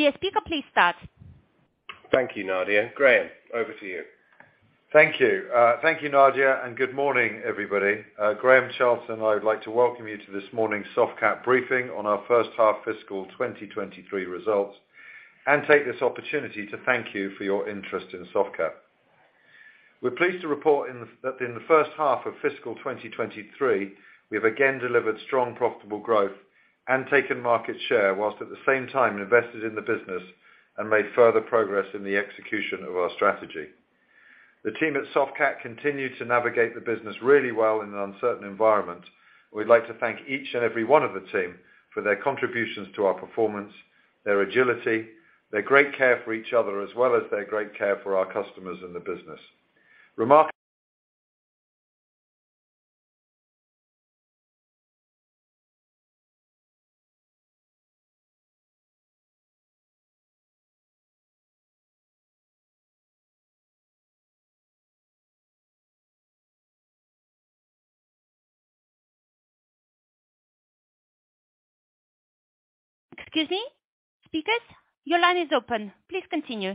Dear speaker, please start. Thank you, Nadia. Graeme, over to you. Thank you. Thank you, Nadia, and good morning, everybody. Graham Charlton, I would like to welcome you to this morning's Softcat briefing on our first half fiscal 2023 results and take this opportunity to thank you for your interest in Softcat. We're pleased to report that in the first half of fiscal 2023, we have again delivered strong profitable growth and taken market share whilst at the same time invested in the business and made further progress in the execution of our strategy. The team at Softcat continue to navigate the business really well in an uncertain environment. We'd like to thank each and every one of the team for their contributions to our performance, their agility, their great care for each other, as well as their great care for our customers and the business. Excuse me. Speakers, your line is open. Please continue.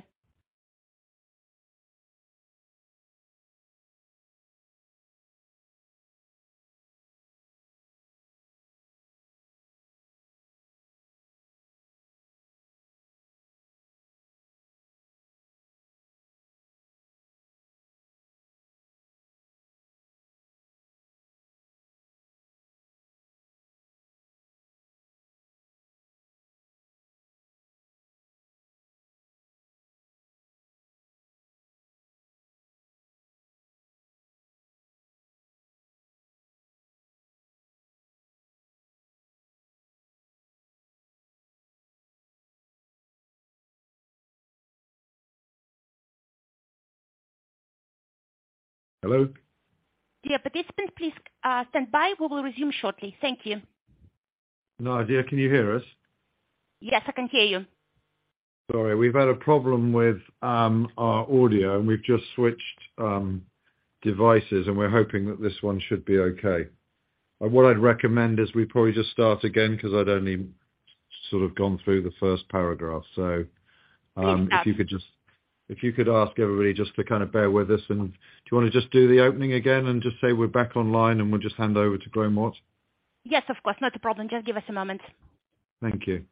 Hello? Dear participant, please stand by. We will resume shortly. Thank you. Nadia, can you hear us? Yes, I can hear you. Sorry. We've had a problem with our audio, and we've just switched devices, and we're hoping that this one should be okay. What I'd recommend is we probably just start again because I'd only sort of gone through the first paragraph. Yes, absolutely. If you could just ask everybody just to kind of bear with us and do you wanna just do the opening again and just say we're back online, and we'll just hand over to Graeme Watt? Yes, of course. Not a problem. Just give us a moment. Thank you.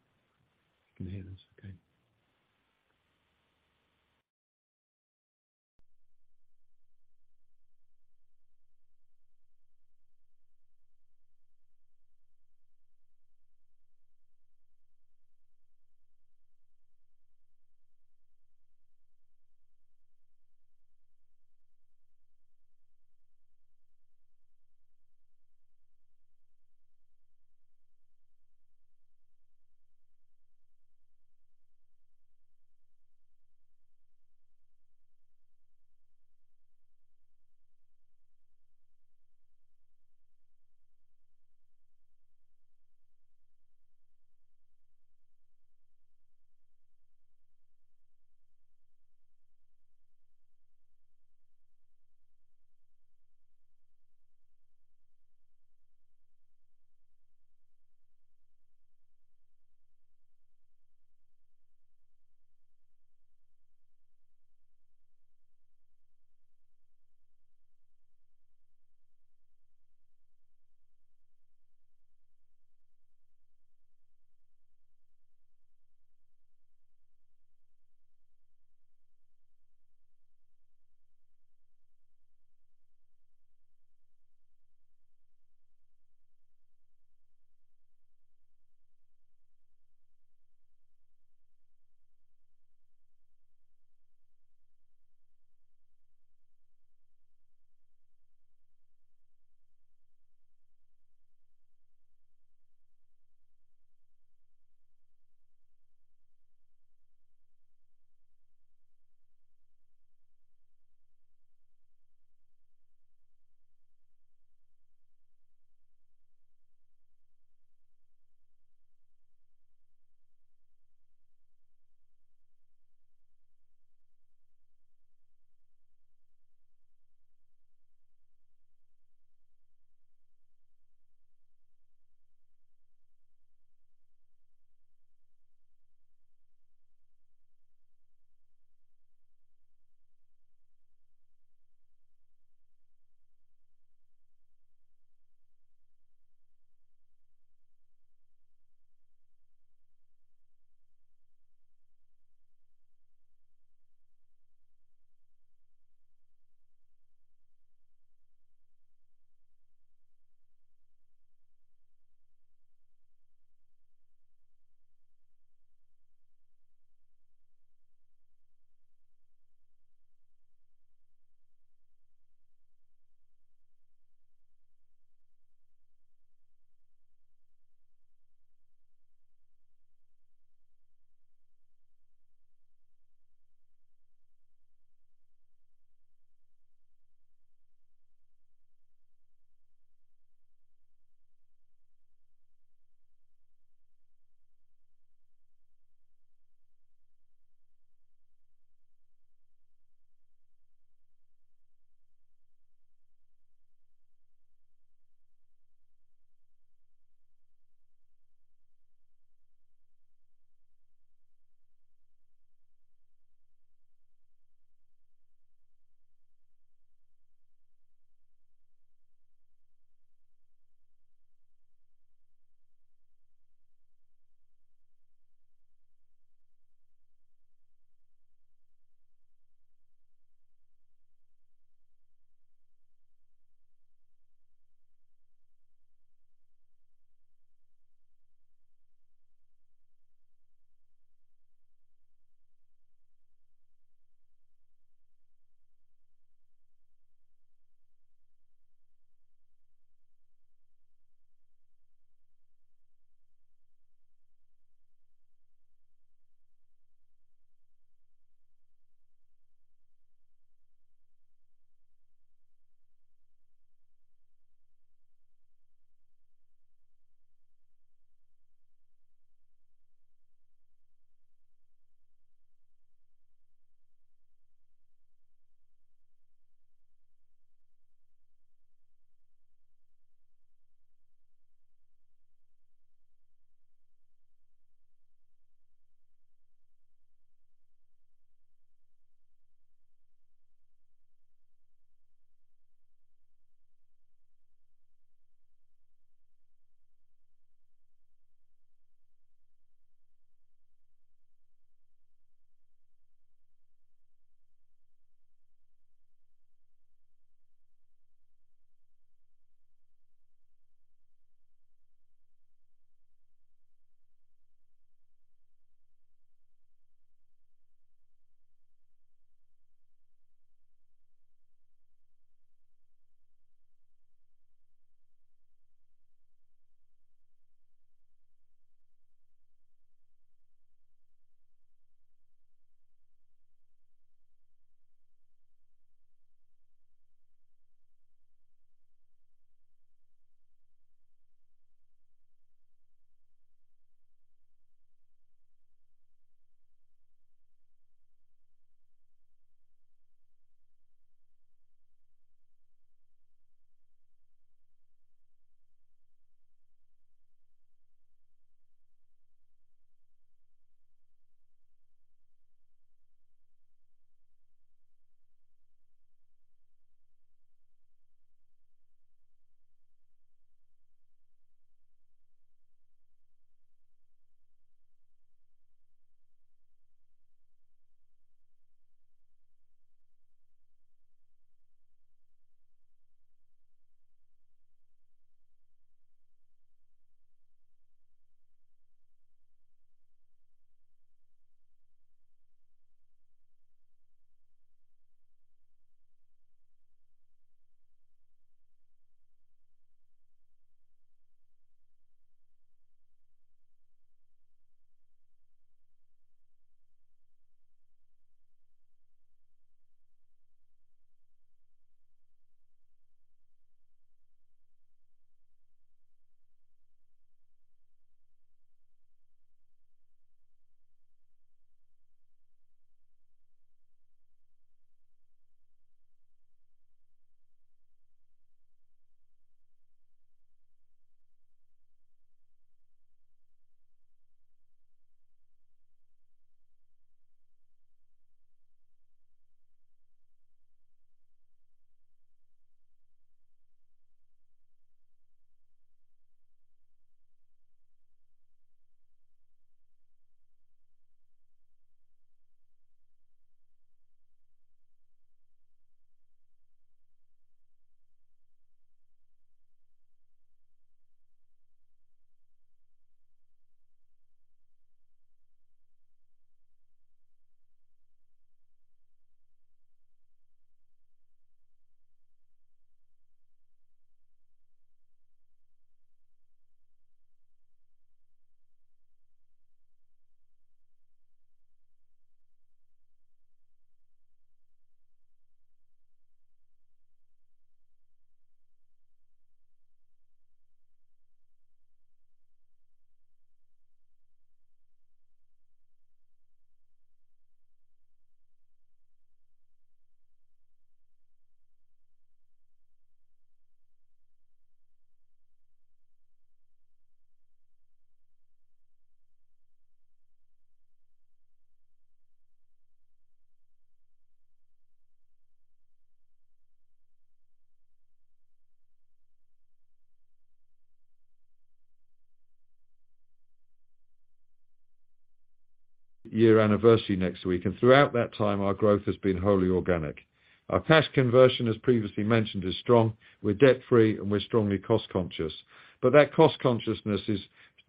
You can hear this, okay. Year anniversary next week. Throughout that time, our growth has been wholly organic. Our cash conversion, as previously mentioned, is strong. We're debt-free, and we're strongly cost-conscious. That cost-consciousness is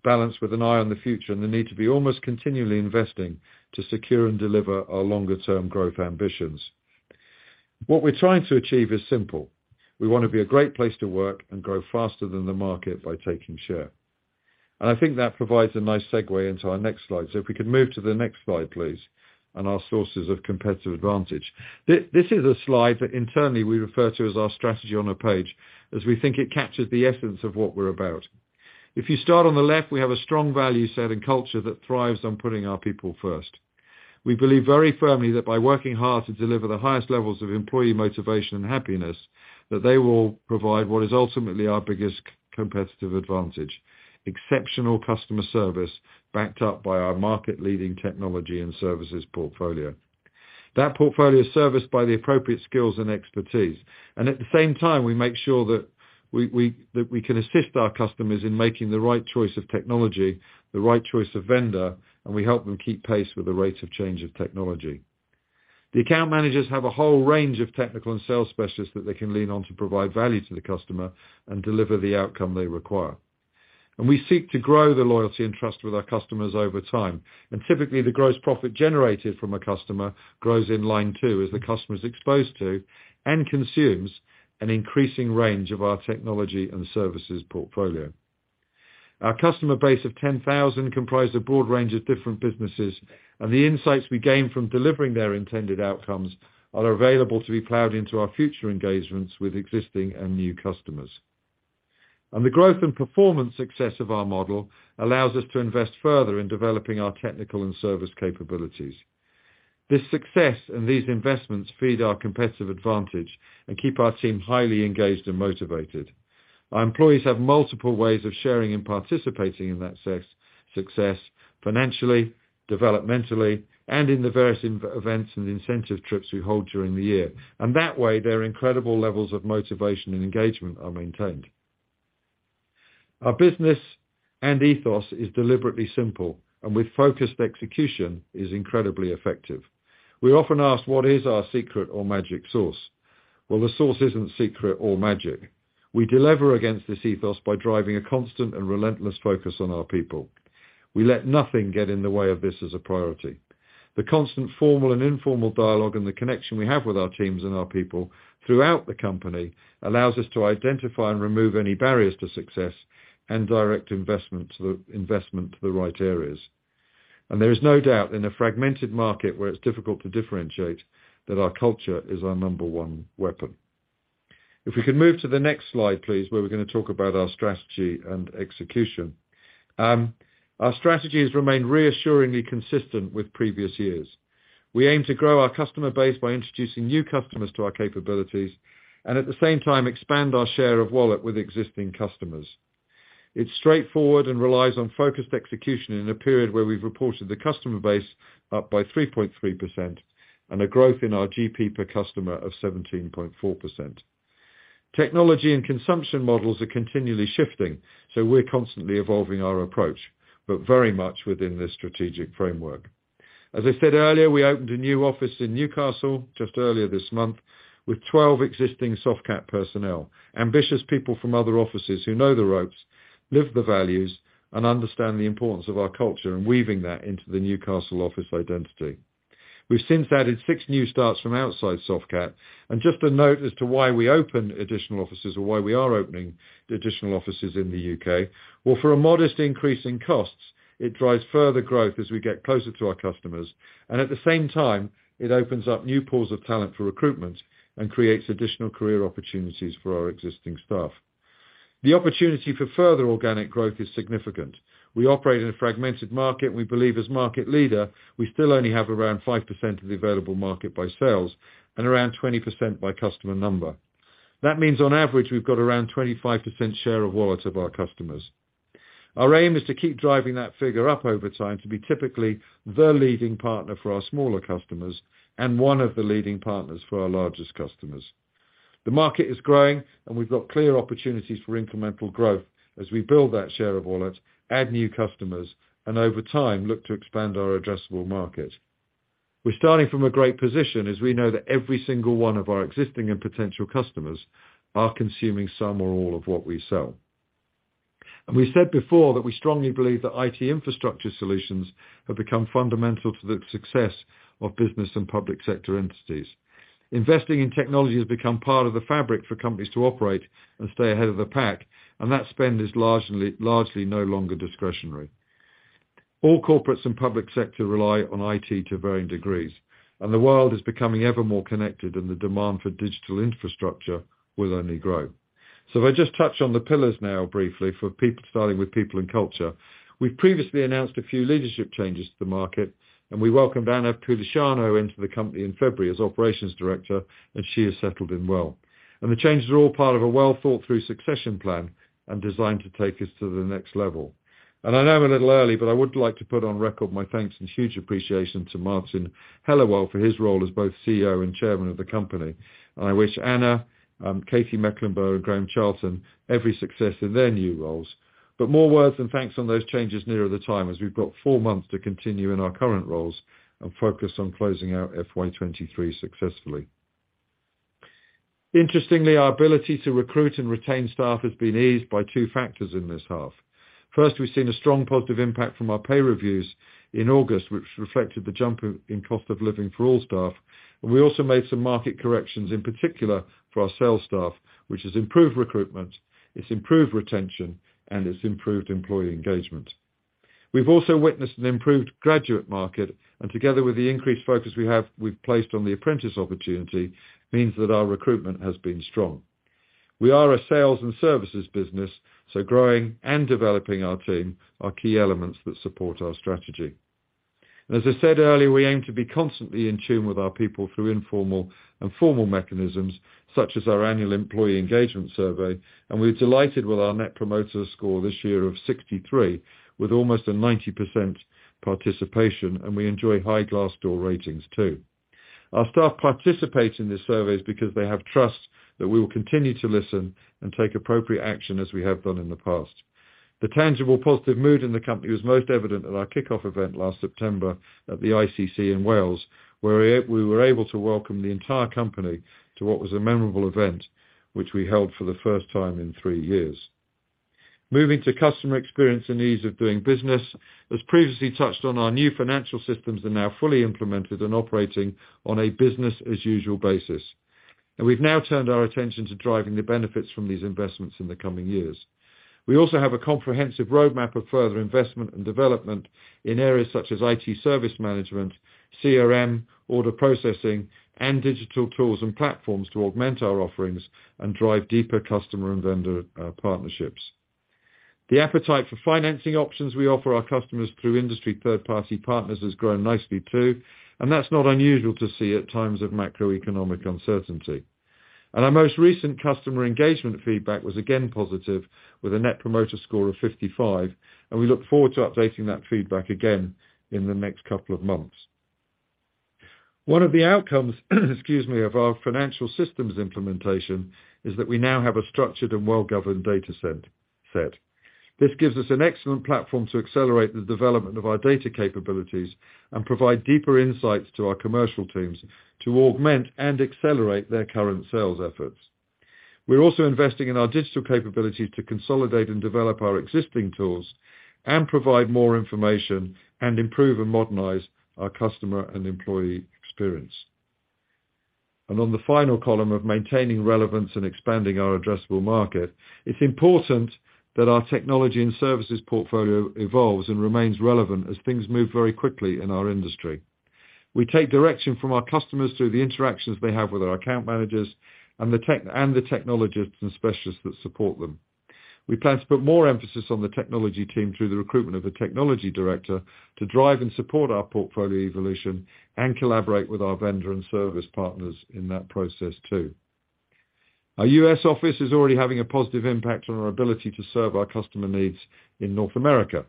balanced with an eye on the future and the need to be almost continually investing to secure and deliver our longer-term growth ambitions. What we're trying to achieve is simple. We wanna be a Great Place to Work and grow faster than the market by taking share. I think that provides a nice segue into our next slide. If we could move to the next slide, please, on our sources of competitive advantage. This is a slide that internally we refer to as our strategy on a page as we think it captures the essence of what we're about. If you start on the left, we have a strong value set and culture that thrives on putting our people first. We believe very firmly that by working hard to deliver the highest levels of employee motivation and happiness, that they will provide what is ultimately our biggest competitive advantage, exceptional customer service backed up by our market-leading technology and services portfolio. That portfolio is serviced by the appropriate skills and expertise. At the same time, we make sure that we can assist our customers in making the right choice of technology, the right choice of vendor, and we help them keep pace with the rate of change of technology. The account managers have a whole range of technical and sales specialists that they can lean on to provide value to the customer and deliver the outcome they require. We seek to grow the loyalty and trust with our customers over time. Typically, the gross profit generated from a customer grows in line too, as the customer is exposed to and consumes an increasing range of our technology and services portfolio. Our customer base of 10,000 comprise a broad range of different businesses, and the insights we gain from delivering their intended outcomes are available to be plowed into our future engagements with existing and new customers. The growth and performance success of our model allows us to invest further in developing our technical and service capabilities. This success and these investments feed our competitive advantage and keep our team highly engaged and motivated. Our employees have multiple ways of sharing and participating in that success, financially, developmentally, and in the various events and incentive trips we hold during the year. That way, their incredible levels of motivation and engagement are maintained. Our business and ethos is deliberately simple and with focused execution is incredibly effective. We often ask, what is our secret or magic sauce? Well, the sauce isn't secret or magic. We deliver against this ethos by driving a constant and relentless focus on our people. We let nothing get in the way of this as a priority. The constant formal and informal dialogue and the connection we have with our teams and our people throughout the company allows us to identify and remove any barriers to success and direct investment to the right areas. There is no doubt in a fragmented market where it's difficult to differentiate that our culture is our number one weapon. If we can move to the next slide, please, where we're gonna talk about our strategy and execution. Our strategy has remained reassuringly consistent with previous years. We aim to grow our customer base by introducing new customers to our capabilities and at the same time expand our share of wallet with existing customers. It's straightforward and relies on focused execution in a period where we've reported the customer base up by 3.3% and a growth in our GP per customer of 17.4%. Technology and consumption models are continually shifting, we're constantly evolving our approach, but very much within this strategic framework. As I said earlier, we opened a new office in Newcastle just earlier this month with 12 existing Softcat personnel, ambitious people from other offices who know the ropes, live the values and understand the importance of our culture and weaving that into the Newcastle office identity. We've since added six new starts from outside Softcat, just a note as to why we open additional offices or why we are opening the additional offices in the U.K. Well, for a modest increase in costs, it drives further growth as we get closer to our customers. At the same time, it opens up new pools of talent for recruitment and creates additional career opportunities for our existing staff. The opportunity for further organic growth is significant. We operate in a fragmented market. We believe as market leader, we still only have around 5% of the available market by sales and around 20% by customer number. That means on average, we've got around 25% share of wallet of our customers. Our aim is to keep driving that figure up over time to be typically the leading partner for our smaller customers and one of the leading partners for our largest customers. The market is growing. We've got clear opportunities for incremental growth as we build that share of wallet, add new customers, and over time, look to expand our addressable market. We're starting from a great position as we know that every single one of our existing and potential customers are consuming some or all of what we sell. We said before that we strongly believe that IT infrastructure solutions have become fundamental to the success of business and public sector entities. Investing in technology has become part of the fabric for companies to operate and stay ahead of the pack, and that spend is largely no longer discretionary. All corporates and public sector rely on IT to varying degrees, the world is becoming ever more connected, the demand for digital infrastructure will only grow. If I just touch on the pillars now briefly for people, starting with people and culture. We previously announced a few leadership changes to the market, we welcomed Anna Pulisciano into the company in February as Operations Director, and she has settled in well. The changes are all part of a well-thought-through succession plan and designed to take us to the next level. I know I'm a little early, but I would like to put on record my thanks and huge appreciation to Martin Hellawell for his role as both CEO and Chairman of the company. I wish Anna, Katy Mecklenburgh, and Graham Charlton every success in their new roles. More words and thanks on those changes nearer the time as we've got four months to continue in our current roles and focus on closing out FY 2023 successfully. Interestingly, our ability to recruit and retain staff has been eased by two factors in this half. First, we've seen a strong positive impact from our pay reviews in August, which reflected the jump in cost of living for all staff. We also made some market corrections, in particular for our sales staff, which has improved recruitment, it's improved retention, and it's improved employee engagement. We've also witnessed an improved graduate market, together with the increased focus we've placed on the apprentice opportunity, means that our recruitment has been strong. We are a sales and services business, growing and developing our team are key elements that support our strategy. As I said earlier, we aim to be constantly in tune with our people through informal and formal mechanisms such as our annual employee engagement survey. We're delighted with our Net Promoter Score this year of 63, with almost a 90% participation. We enjoy high Glassdoor ratings too. Our staff participate in these surveys because they have trust that we will continue to listen and take appropriate action as we have done in the past. The tangible positive mood in the company was most evident at our kickoff event last September at the ICC in Wales, where we were able to welcome the entire company to what was a memorable event, which we held for the first time in three years. Moving to customer experience and ease of doing business. As previously touched on, our new financial systems are now fully implemented and operating on a business as usual basis. We've now turned our attention to driving the benefits from these investments in the coming years. We also have a comprehensive roadmap of further investment and development in areas such as IT service management, CRM, order processing and digital tools and platforms to augment our offerings and drive deeper customer and vendor partnerships. The appetite for financing options we offer our customers through industry third-party partners has grown nicely too, and that's not unusual to see at times of macroeconomic uncertainty. Our most recent customer engagement feedback was again positive, with a Net Promoter Score of 55, and we look forward to updating that feedback again in the next couple of months. One of the outcomes, excuse me, of our financial systems implementation is that we now have a structured and well-governed data set. This gives us an excellent platform to accelerate the development of our data capabilities and provide deeper insights to our commercial teams to augment and accelerate their current sales efforts. We're also investing in our digital capabilities to consolidate and develop our existing tools and provide more information and improve and modernize our customer and employee experience. On the final column of maintaining relevance and expanding our addressable market, it's important that our technology and services portfolio evolves and remains relevant as things move very quickly in our industry. We take direction from our customers through the interactions they have with our account managers and the technologists and specialists that support them. We plan to put more emphasis on the technology team through the recruitment of a technology director to drive and support our portfolio evolution and collaborate with our vendor and service partners in that process too. Our U.S. office is already having a positive impact on our ability to serve our customer needs in North America.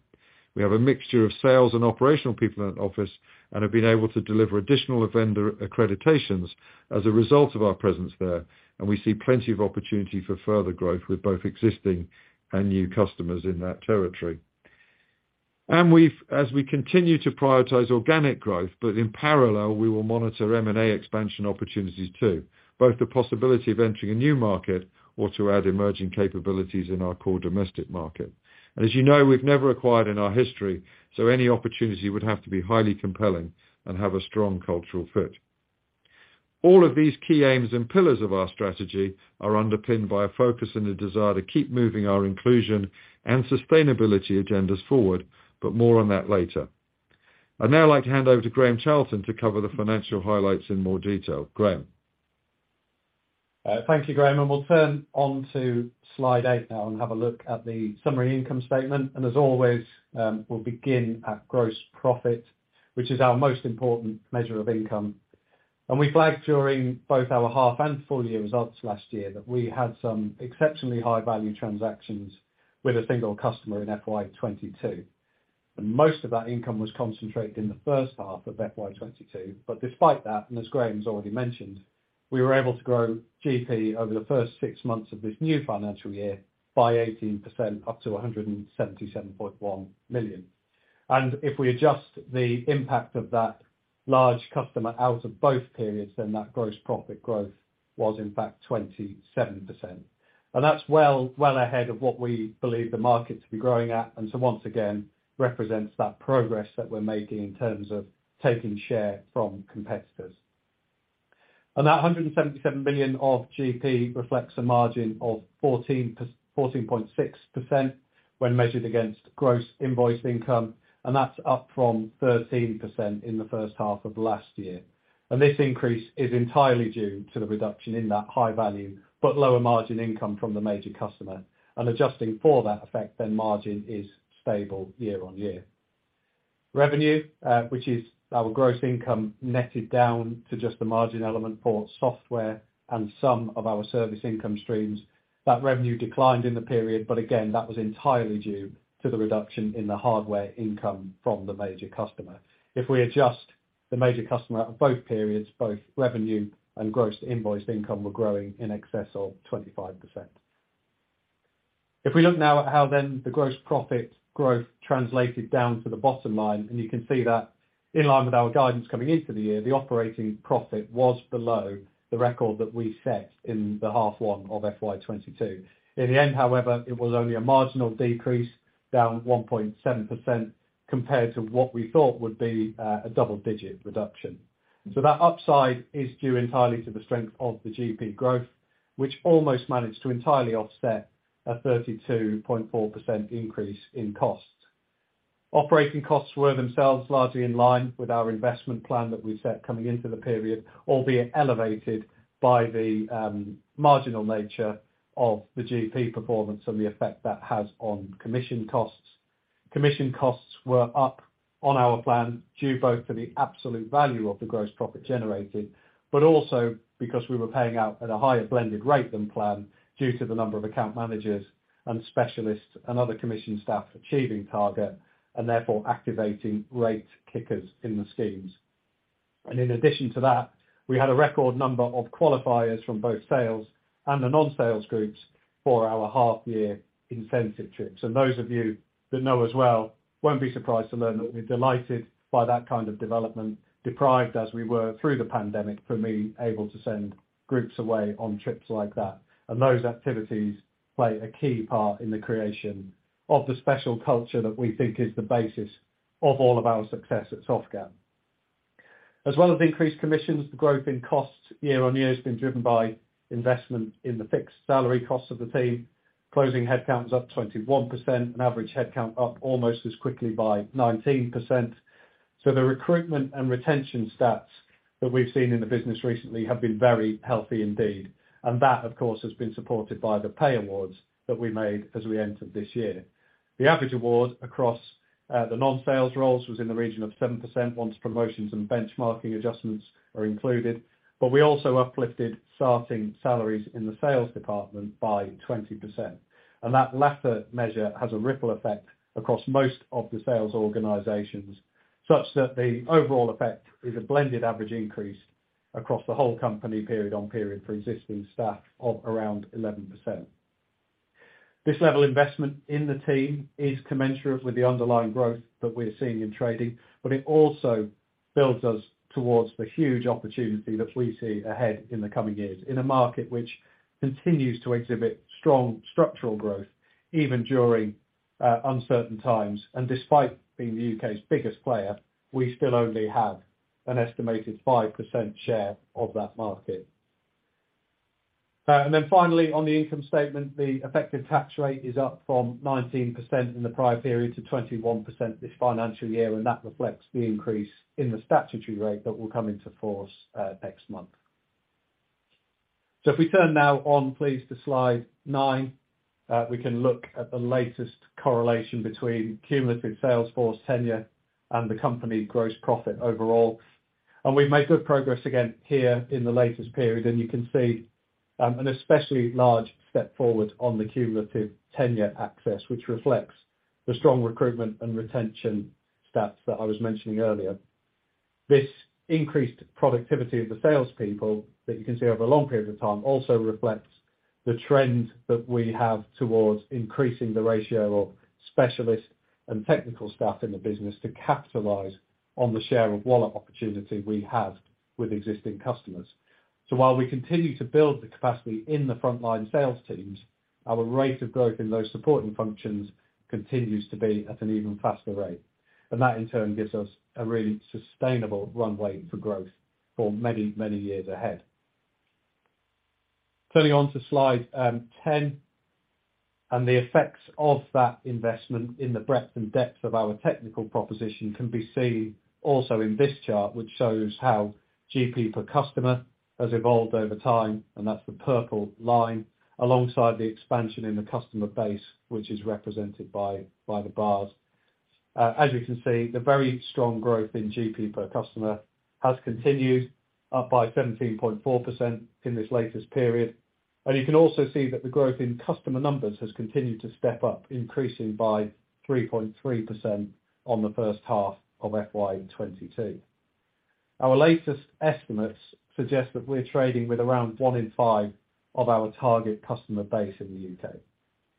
We have a mixture of sales and operational people in that office and have been able to deliver additional vendor accreditations as a result of our presence there. We see plenty of opportunity for further growth with both existing and new customers in that territory. As we continue to prioritize organic growth, but in parallel, we will monitor M&A expansion opportunities too, both the possibility of entering a new market or to add emerging capabilities in our core domestic market. As you know, we've never acquired in our history. Any opportunity would have to be highly compelling and have a strong cultural fit. All of these key aims and pillars of our strategy are underpinned by a focus and a desire to keep moving our inclusion and sustainability agendas forward. More on that later. I'd now like to hand over to Graham Charlton to cover the financial highlights in more detail. Graham? Thank you, Graeme, we'll turn onto slide eight now and have a look at the summary income statement. As always, we'll begin at gross profit, which is our most important measure of income. We flagged during both our half and full year results last year that we had some exceptionally high value transactions with a single customer in FY 2022. Most of that income was concentrated in the first half of FY 2022. Despite that, as Graeme's already mentioned, we were able to grow GP over the first six months of this new financial year by 18%, up to 177.1 million. If we adjust the impact of that large customer out of both periods, then that gross profit growth was in fact 27%. That's well, well ahead of what we believe the market to be growing at. Once again, represents that progress that we're making in terms of taking share from competitors. That 177 billion of GP reflects a margin of 14.6% when measured against gross invoiced income, and that's up from 13% in the first half of last year. This increase is entirely due to the reduction in that high value, but lower margin income from the major customer. Adjusting for that effect, margin is stable year-on-year. Revenue, which is our gross income netted down to just the margin element for software and some of our service income streams. That revenue declined in the period, but again, that was entirely due to the reduction in the hardware income from the major customer. If we adjust the major customer of both periods, both revenue and gross invoiced income were growing in excess of 25%. If we look now at how then the gross profit growth translated down to the bottom line, you can see that in line with our guidance coming into the year, the operating profit was below the record that we set in the half one of FY 2022. In the end, however, it was only a marginal decrease, down 1.7% compared to what we thought would be a double digit reduction. That upside is due entirely to the strength of the GP growth, which almost managed to entirely offset a 32.4% increase in costs. Operating costs were themselves largely in line with our investment plan that we set coming into the period, albeit elevated by the marginal nature of the GP performance and the effect that has on commission costs. Commission costs were up on our plan due both to the absolute value of the gross profit generated, but also because we were paying out at a higher blended rate than planned due to the number of account managers and specialists and other commission staff achieving target and therefore activating rate kickers in the schemes. In addition to that, we had a record number of qualifiers from both sales and the non-sales groups for our half-year incentive trips. Those of you that know us well, won't be surprised to learn that we're delighted by that kind of development, deprived as we were through the pandemic from being able to send groups away on trips like that. Those activities play a key part in the creation of the special culture that we think is the basis of all of our success at Softcat. As well as increased commissions, the growth in costs year-on-year has been driven by investment in the fixed salary costs of the team. Closing headcounts up 21% and average headcount up almost as quickly by 19%. The recruitment and retention stats that we've seen in the business recently have been very healthy indeed. That, of course, has been supported by the pay awards that we made as we entered this year. The average award across the non-sales roles was in the region of 7% once promotions and benchmarking adjustments are included. We also uplifted starting salaries in the sales department by 20%. That latter measure has a ripple effect across most of the sales organizations, such that the overall effect is a blended average increase across the whole company period on period for existing staff of around 11%. This level investment in the team is commensurate with the underlying growth that we're seeing in trading, but it also builds us towards the huge opportunity that we see ahead in the coming years in a market which continues to exhibit strong structural growth even during uncertain times. Despite being the U.K.'s biggest player, we still only have an estimated 5% share of that market. Finally, on the income statement, the effective tax rate is up from 19% in the prior period to 21% this financial year, and that reflects the increase in the statutory rate that will come into force next month. If we turn now, please, to slide nine, we can look at the latest correlation between cumulative sales force tenure and the company gross profit overall. We've made good progress again here in the latest period. You can see an especially large step forward on the cumulative tenure axis, which reflects the strong recruitment and retention stats that I was mentioning earlier. This increased productivity of the sales people that you can see over a long period of time also reflects the trend that we have towards increasing the ratio of specialists and technical staff in the business to capitalize on the share of wallet opportunity we have with existing customers. While we continue to build the capacity in the frontline sales teams, our rate of growth in those supporting functions continues to be at an even faster rate. That in turn gives us a really sustainable runway for growth for many, many years ahead. Turning on to slide 10, the effects of that investment in the breadth and depth of our technical proposition can be seen also in this chart, which shows how GP per customer has evolved over time, and that's the purple line, alongside the expansion in the customer base, which is represented by the bars. As you can see, the very strong growth in GP per customer has continued up by 17.4% in this latest period. You can also see that the growth in customer numbers has continued to step up, increasing by 3.3% on the first half of FY 2022. Our latest estimates suggest that we're trading with around one in five of our target customer base in the U.K.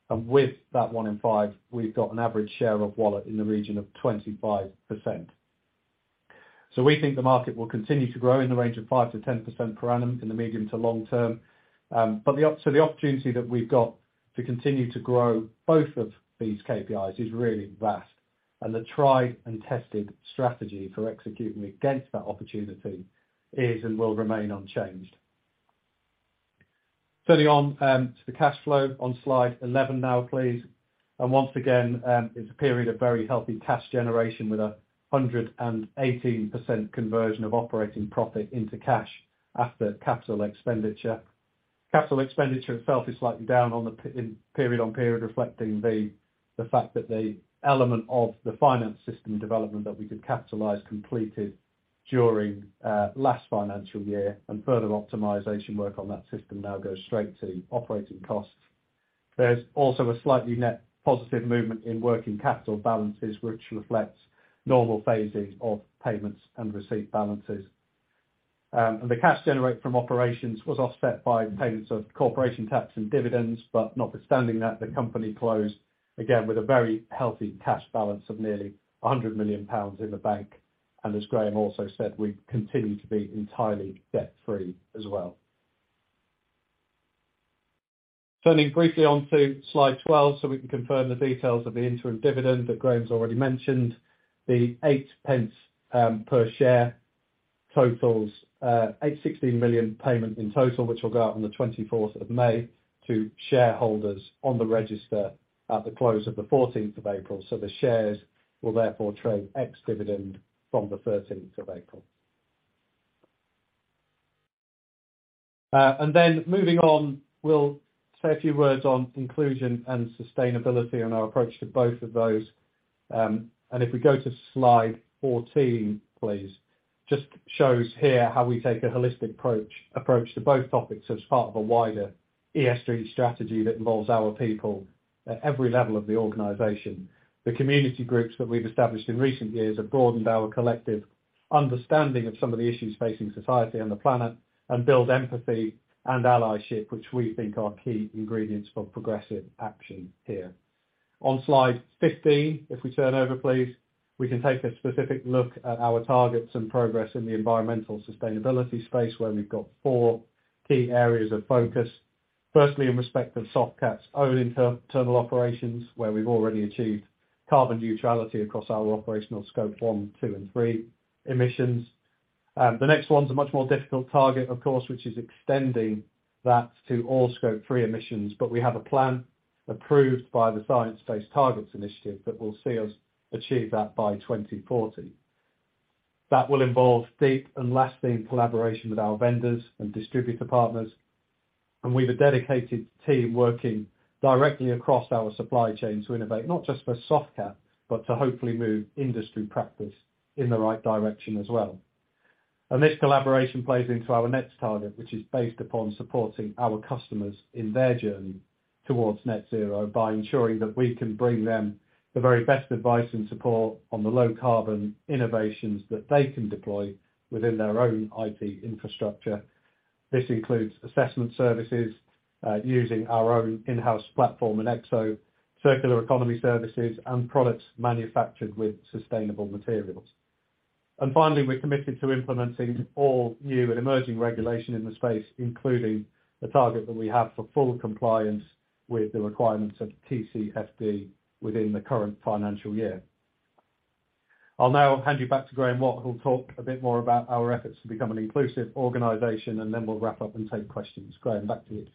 With that one in five, we've got an average share of wallet in the region of 25%. We think the market will continue to grow in the range of 5%-10% per annum in the medium to long term. the opportunity that we've got to continue to grow both of these KPIs is really vast, and the tried and tested strategy for executing against that opportunity is and will remain unchanged. Turning on to the cash flow on slide 11 now, please. Once again, it's a period of very healthy cash generation with a 118% conversion of operating profit into cash after capital expenditure. Capital expenditure itself is slightly down in period on period, reflecting the fact that the element of the finance system development that we could capitalize completed during last financial year and further optimization work on that system now goes straight to operating costs. There's also a slightly net positive movement in working capital balances, which reflects normal phasing of payments and receipt balances. The cash generated from operations was offset by payments of corporation tax and dividends, notwithstanding that, the company closed again with a very healthy cash balance of nearly 100 million pounds in the bank. As Graeme also said, we continue to be entirely debt-free as well. Turning briefly onto slide 12, we can confirm the details of the interim dividend that Graeme's already mentioned, the 8 pence per share. Totals 8.16 million payment in total, which will go out on the May 24th to shareholders on the register at the close of the April 14th. The shares will therefore trade ex-dividend from the April 13th. Moving on, we'll say a few words on inclusion and sustainability and our approach to both of those. If we go to slide 14, please. Just shows here how we take a holistic approach to both topics as part of a wider ESG strategy that involves our people at every level of the organization. The community groups that we've established in recent years have broadened our collective understanding of some of the issues facing society and the planet and build empathy and allyship, which we think are key ingredients for progressive action here. On slide 15, if we turn over, please, we can take a specific look at our targets and progress in the environmental sustainability space, where we've got four key areas of focus. Firstly, in respect of Softcat's own inter-internal operations, where we've already achieved carbon neutrality across our operational Scope 1, Scope 2, and Scope 3 emissions. The next one's a much more difficult target, of course, which is extending that to all Scope 3 emissions. We have a plan approved by the Science Based Targets initiative that will see us achieve that by 2040. That will involve deep and lasting collaboration with our vendors and distributor partners, and we've a dedicated team working directly across our supply chain to innovate, not just for Softcat, but to hopefully move industry practice in the right direction as well. This collaboration plays into our next target, which is based upon supporting our customers in their journey towards net zero by ensuring that we can bring them the very best advice and support on the low carbon innovations that they can deploy within their own IT infrastructure. This includes assessment services, using our own in-house platform and eXo, circular economy services, and products manufactured with sustainable materials. Finally, we're committed to implementing all new and emerging regulation in the space, including the target that we have for full compliance with the requirements of TCFD within the current financial year. I'll now hand you back to Graeme Watt, who'll talk a bit more about our efforts to become an inclusive organization, and then we'll wrap up and take questions. Graeme, back to you.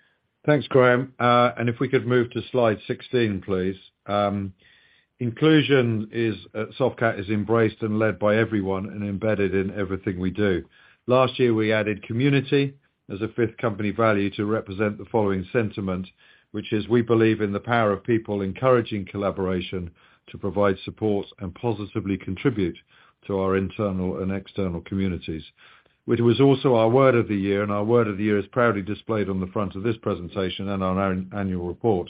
Thanks, Graham. If we could move to slide 16, please. Inclusion at Softcat is embraced and led by everyone and embedded in everything we do. Last year, we added community as a fifth company value to represent the following sentiment, which is we believe in the power of people encouraging collaboration to provide support and positively contribute to our internal and external communities. Which was also our word of the year, and our word of the year is proudly displayed on the front of this presentation and on our annual report,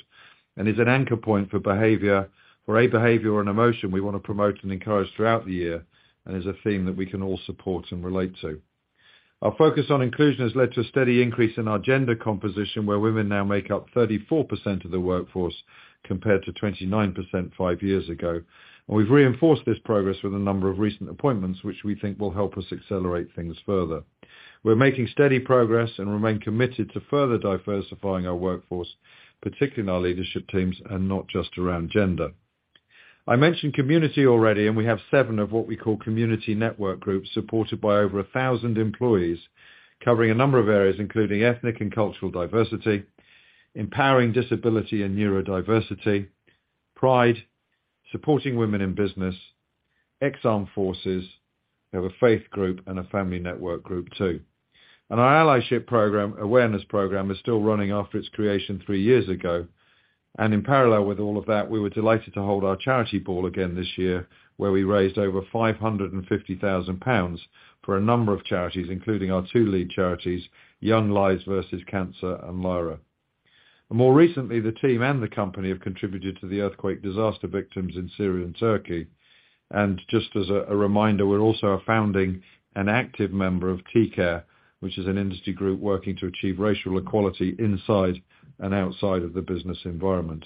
and is an anchor point for a behavior and emotion we wanna promote and encourage throughout the year, and is a theme that we can all support and relate to. Our focus on inclusion has led to a steady increase in our gender composition, where women now make up 34% of the workforce, compared to 29% five years ago. We've reinforced this progress with a number of recent appointments, which we think will help us accelerate things further. We're making steady progress and remain committed to further diversifying our workforce, particularly in our leadership teams, and not just around gender. I mentioned community already, and we have seven of what we call community network groups, supported by over 1,000 employees, covering a number of areas, including ethnic and cultural diversity, empowering disability and neurodiversity, pride, supporting women in business, ex-armed forces. We have a faith group and a family network group too. Our allyship program, awareness program is still running after its creation three years ago. In parallel with all of that, we were delighted to hold our charity ball again this year, where we raised over 550,000 pounds for a number of charities, including our two lead charities, Young Lives vs Cancer and Lyra. More recently, the team and the company have contributed to the earthquake disaster victims in Syria and Turkey. Just as a reminder, we're also a founding and active member of TC4RE, which is an industry group working to achieve racial equality inside and outside of the business environment.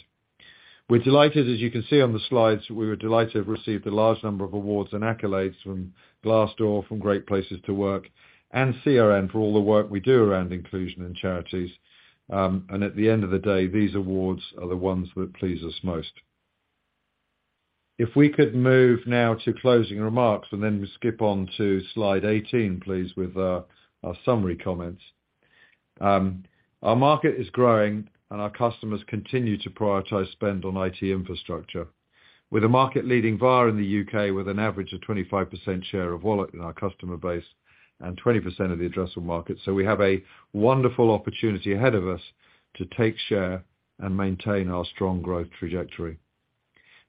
We were delighted, as you can see on the slides, to have received a large number of awards and accolades from Glassdoor, from Great Place to Work, and CRN for all the work we do around inclusion and charities. At the end of the day, these awards are the ones that please us most. If we could move now to closing remarks, we skip on to slide 18, please, with our summary comments. Our market is growing, our customers continue to prioritize spend on IT infrastructure. We're the market leading VAR in the U.K. with an average of 25% share of wallet in our customer base and 20% of the addressable market. We have a wonderful opportunity ahead of us to take share and maintain our strong growth trajectory.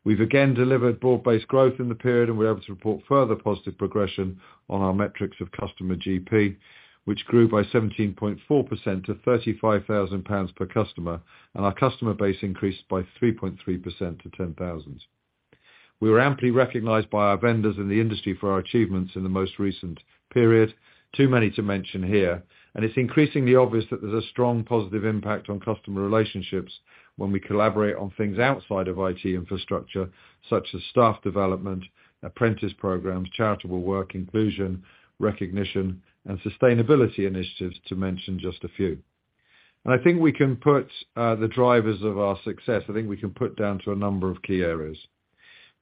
We've again delivered broad-based growth in the period, we're able to report further positive progression on our metrics of customer GP, which grew by 17.4% to 35,000 pounds per customer, our customer base increased by 3.3% to 10,000. We were amply recognized by our vendors in the industry for our achievements in the most recent period, too many to mention here. It's increasingly obvious that there's a strong positive impact on customer relationships when we collaborate on things outside of IT infrastructure, such as staff development, apprentice programs, charitable work, inclusion, recognition, and sustainability initiatives, to mention just a few. I think we can put the drivers of our success down to a number of key areas.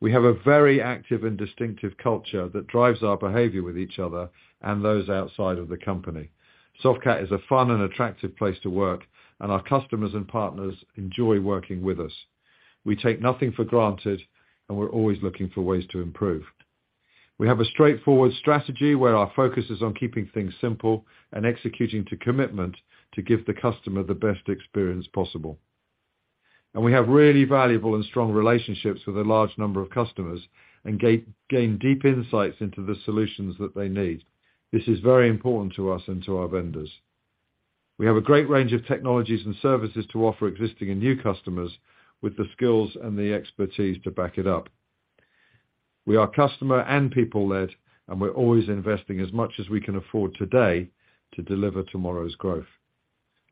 We have a very active and distinctive culture that drives our behavior with each other and those outside of the company. Softcat is a fun and attractive place to work, and our customers and partners enjoy working with us. We take nothing for granted, and we're always looking for ways to improve. We have a straightforward strategy where our focus is on keeping things simple and executing to commitment to give the customer the best experience possible. We have really valuable and strong relationships with a large number of customers and gain deep insights into the solutions that they need. This is very important to us and to our vendors. We have a great range of technologies and services to offer existing and new customers with the skills and the expertise to back it up. We are customer and people-led, and we're always investing as much as we can afford today to deliver tomorrow's growth.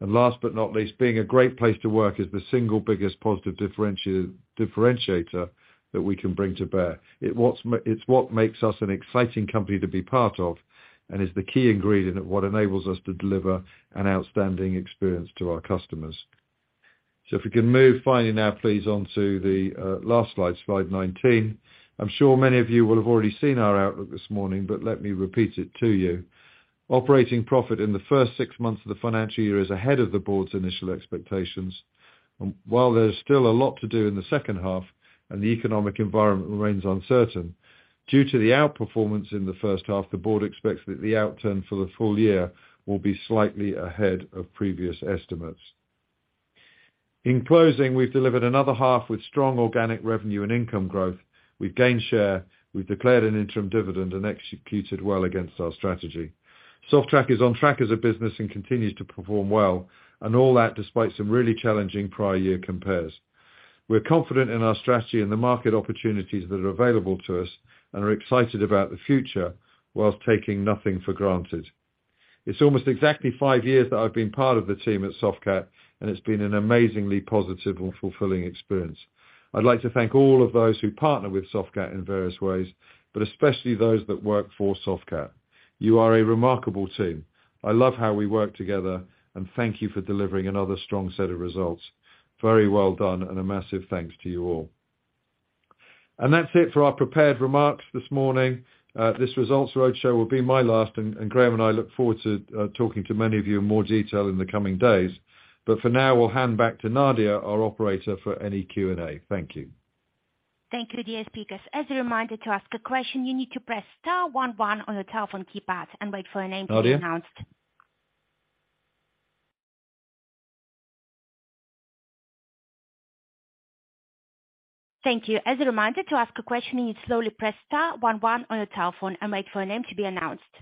Last but not least, being a Great Place to Work is the single biggest positive differentiator that we can bring to bear. It's what makes us an exciting company to be part of and is the key ingredient of what enables us to deliver an outstanding experience to our customers. If we can move finally now, please, onto the last slide. It's slide 19. I'm sure many of you will have already seen our outlook this morning, but let me repeat it to you. Operating profit in the first six months of the financial year is ahead of the Board's initial expectations. While there's still a lot to do in the second half and the economic environment remains uncertain, due to the outperformance in the first half, the Board expects that the outturn for the full year will be slightly ahead of previous estimates. In closing, we've delivered another half with strong organic revenue and income growth. We've gained share, we've declared an interim dividend and executed well against our strategy. Softcat is on track as a business and continues to perform well, all that despite some really challenging prior year compares. We're confident in our strategy and the market opportunities that are available to us and are excited about the future while taking nothing for granted. It's almost exactly five years that I've been part of the team at Softcat, it's been an amazingly positive and fulfilling experience. I'd like to thank all of those who partner with Softcat in various ways, especially those that work for Softcat. You are a remarkable team. I love how we work together, thank you for delivering another strong set of results. Very well done a massive thanks to you all. That's it for our prepared remarks this morning. This results roadshow will be my last, and Graham Charlton and I look forward to talking to many of you in more detail in the coming days. For now, we'll hand back to Nadia, our operator for any Q&A. Thank you. Thank you, dear speakers. As a reminder, to ask a question, you need to press star one one on your telephone keypad and wait for your name to be announced. Nadia? Thank you. As a reminder, to ask a question, you need to slowly press star one one on your telephone and wait for your name to be announced.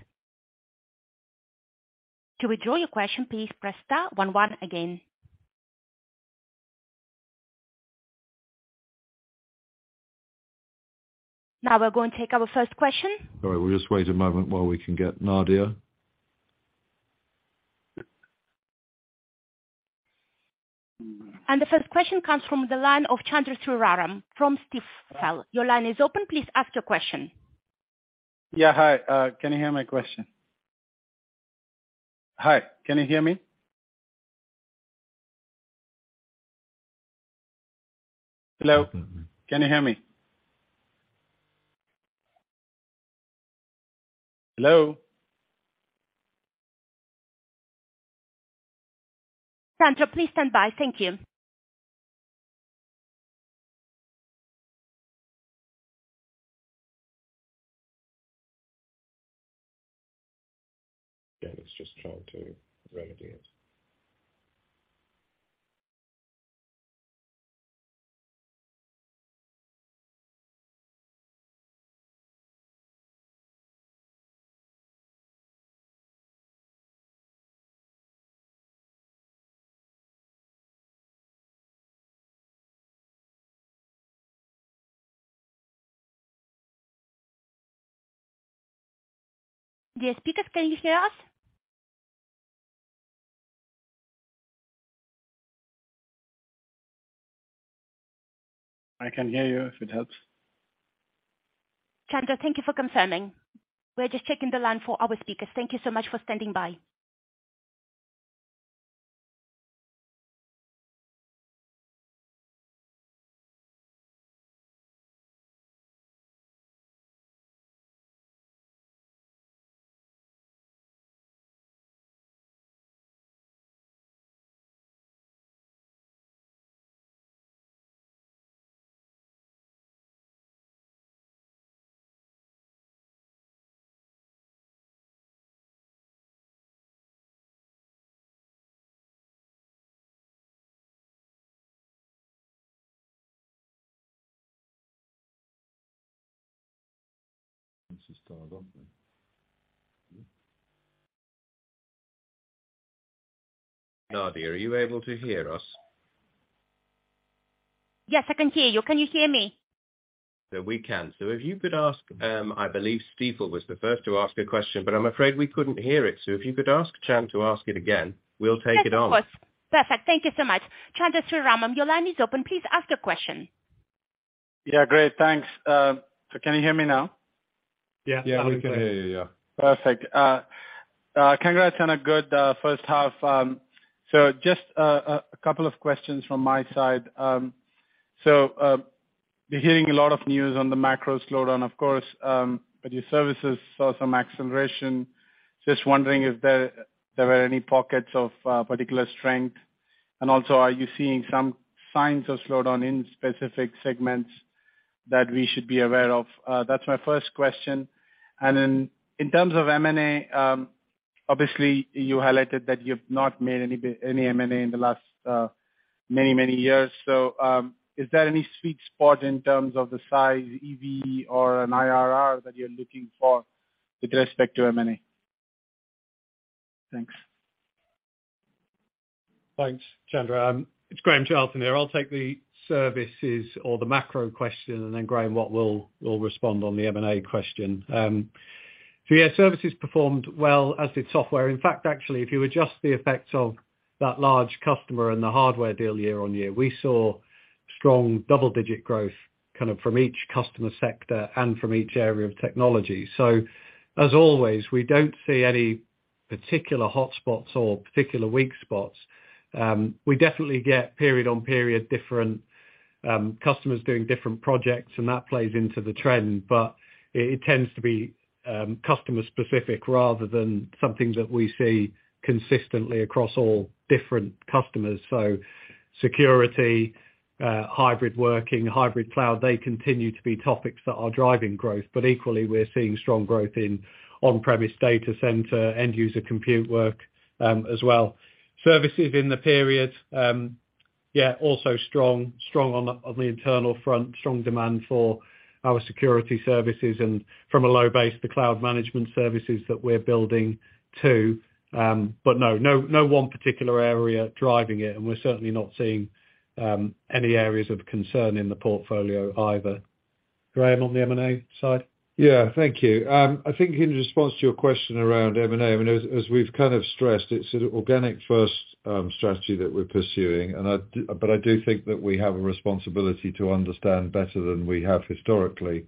To withdraw your question, please press star one one again. We're going to take our first question. All right. We'll just wait a moment while we can get Nadia. The first question comes from the line of Chandra Sriraman from Stifel. Your line is open. Please ask your question. Yeah. Hi. Can you hear my question? Hi, can you hear me? Hello, can you hear me? Hello? Chandra, please stand by. Thank you. Yeah. Let's just try to remedy it. Dear speakers, can you hear us? I can hear you, if it helps. Chandra, thank you for confirming. We're just checking the line for our speakers. Thank you so much for standing by. This is still on then. Nadia, are you able to hear us? Yes, I can hear you. Can you hear me? Yeah, we can. If you could ask, I believe Stifel was the first to ask a question, but I'm afraid we couldn't hear it. If you could ask Chand to ask it again, we'll take it on. Yes, of course. Perfect. Thank you so much. Chandra Sriraman, your line is open. Please ask your question. Yeah, great, thanks. Can you hear me now? Yeah. Yeah, we can hear you, yeah. Perfect. Congrats on a good first half. Just a couple of questions from my side. We're hearing a lot of news on the macro slowdown, of course, your services saw some acceleration. Just wondering if there were any pockets of particular strength. Are you seeing some signs of slowdown in specific segments that we should be aware of? That's my first question. In terms of M&A, obviously you highlighted that you've not made any M&A in the last many, many years. Is there any sweet spot in terms of the size, EV or an IRR that you're looking for with respect to M&A? Thanks. Thanks, Chandra. It's Graham Charlton here. I'll take the services or the macro question, and then Graeme Watt will respond on the M&A question. Yeah, services performed well, as did software. In fact, actually, if you adjust the effect of that large customer and the hardware deal year-on-year, we saw strong double-digit growth kind of from each customer sector and from each area of technology. As always, we don't see any particular hotspots or particular weak spots. We definitely get period on period different customers doing different projects, and that plays into the trend. It, it tends to be, customer specific rather than something that we see consistently across all different customers. Security, hybrid working, hybrid cloud, they continue to be topics that are driving growth. Equally, we're seeing strong growth in on-premise data center, end user compute work as well. Services in the period also strong. Strong on the internal front, strong demand for our security services and from a low base, the cloud management services that we're building too. No one particular area driving it, and we're certainly not seeing any areas of concern in the portfolio either. Graeme, on the M&A side? Yeah. Thank you. I think in response to your question around M&A, I mean, as we've kind of stressed, it's an organic first strategy that we're pursuing, but I do think that we have a responsibility to understand better than we have historically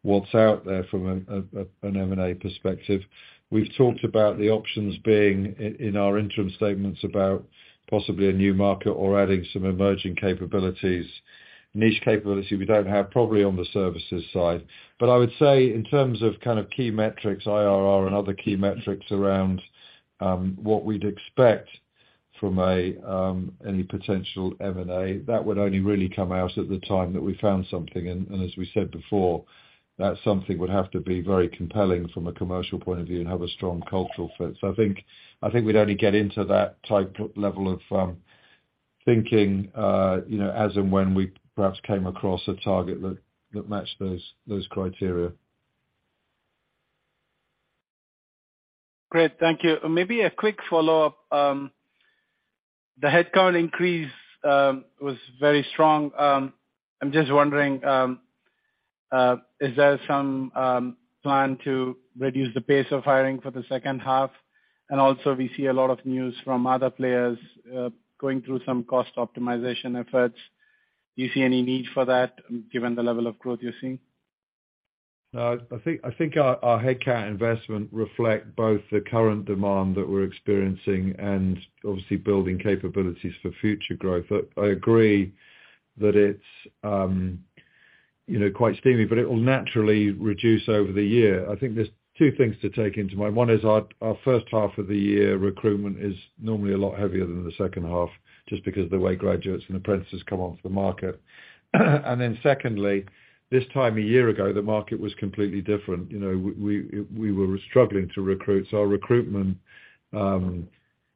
what's out there from an M&A perspective. We've talked about the options being in our interim statements about possibly a new market or adding some emerging capabilities, niche capability we don't have, probably on the services side. I would say in terms of kind of key metrics, IRR and other key metrics around what we'd expect from any potential M&A, that would only really come out at the time that we found something, and as we said before, that something would have to be very compelling from a commercial point of view and have a strong cultural fit. I think we'd only get into that type of level of thinking, you know, as and when we perhaps came across a target that matched those criteria. Great. Thank you. Maybe a quick follow-up. The headcount increase, was very strong. I'm just wondering, is there some plan to reduce the pace of hiring for the second half? Also we see a lot of news from other players, going through some cost optimization efforts. Do you see any need for that given the level of growth you're seeing? I think our headcount investment reflect both the current demand that we're experiencing and obviously building capabilities for future growth. I agree that it's, you know, quite steamy, it will naturally reduce over the year. I think there's two things to take into mind. One is our first half of the year recruitment is normally a lot heavier than the second half just because the way graduates and apprentices come onto the market. Secondly, this time a year ago, the market was completely different. You know, we were struggling to recruit, our recruitment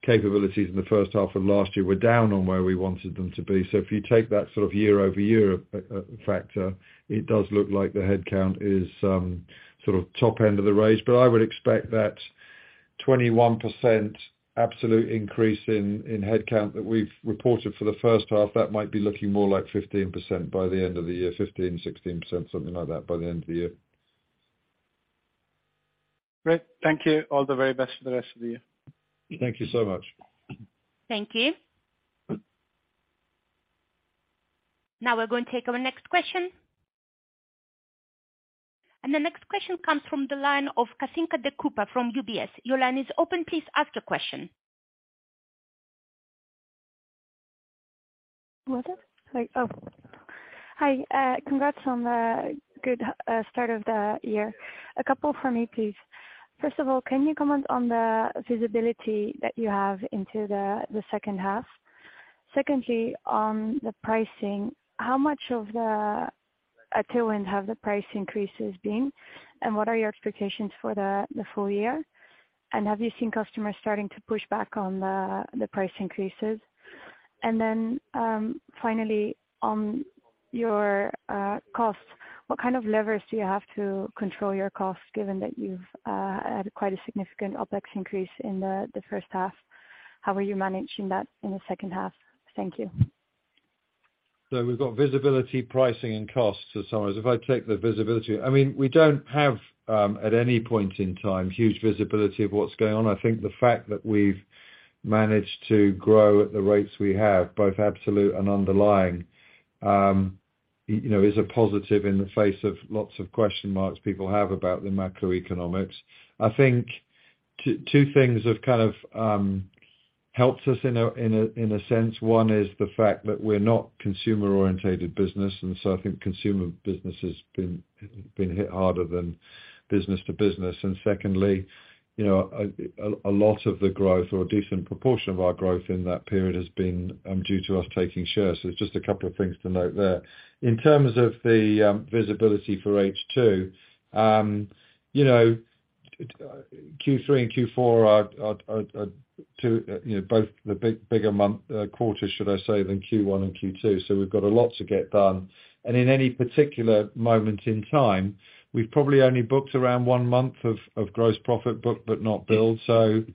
capabilities in the first half of last year were down on where we wanted them to be. If you take that sort of year-over-year factor, it does look like the headcount is sort of top end of the range. I would expect that 21% absolute increase in headcount that we've reported for the first half, that might be looking more like 15% by the end of the year. 15%-16%, something like that by the end of the year. Great. Thank you. All the very best for the rest of the year. Thank you so much. Thank you. Now we're going to take our next question. The next question comes from the line of Kathinka de Kuyper from UBS. Your line is open. Please ask your question. What? Hi. Oh, hi. Congrats on the good start of the year. A couple from me, please. First of all, can you comment on the visibility that you have into the second half? Secondly, on the pricing, how much of the tailwind have the price increases been, and what are your expectations for the full year? Have you seen customers starting to push back on the price increases? Finally, on your costs, what kind of levers do you have to control your costs given that you've had quite a significant OpEx increase in the first half? How are you managing that in the second half? Thank you. We've got visibility, pricing, and costs to summarize. I take the visibility, I mean, we don't have at any point in time, huge visibility of what's going on. I think the fact that we've managed to grow at the rates we have, both absolute and underlying, You know, is a positive in the face of lots of question marks people have about the macroeconomics. I think two things have kind of helped us in a sense. One is the fact that we're not consumer-oriented business, I think consumer business has been hit harder than business to business. Secondly, you know, a lot of the growth or a decent proportion of our growth in that period has been due to us taking shares. Just a couple of things to note there. In terms of the visibility for H2, you know, Q3 and Q4 are two, you know, both the bigger quarters should I say, than Q1 and Q2. We've got a lot to get done. In any particular moment in time, we've probably only booked around one month of gross profit booked but not billed. The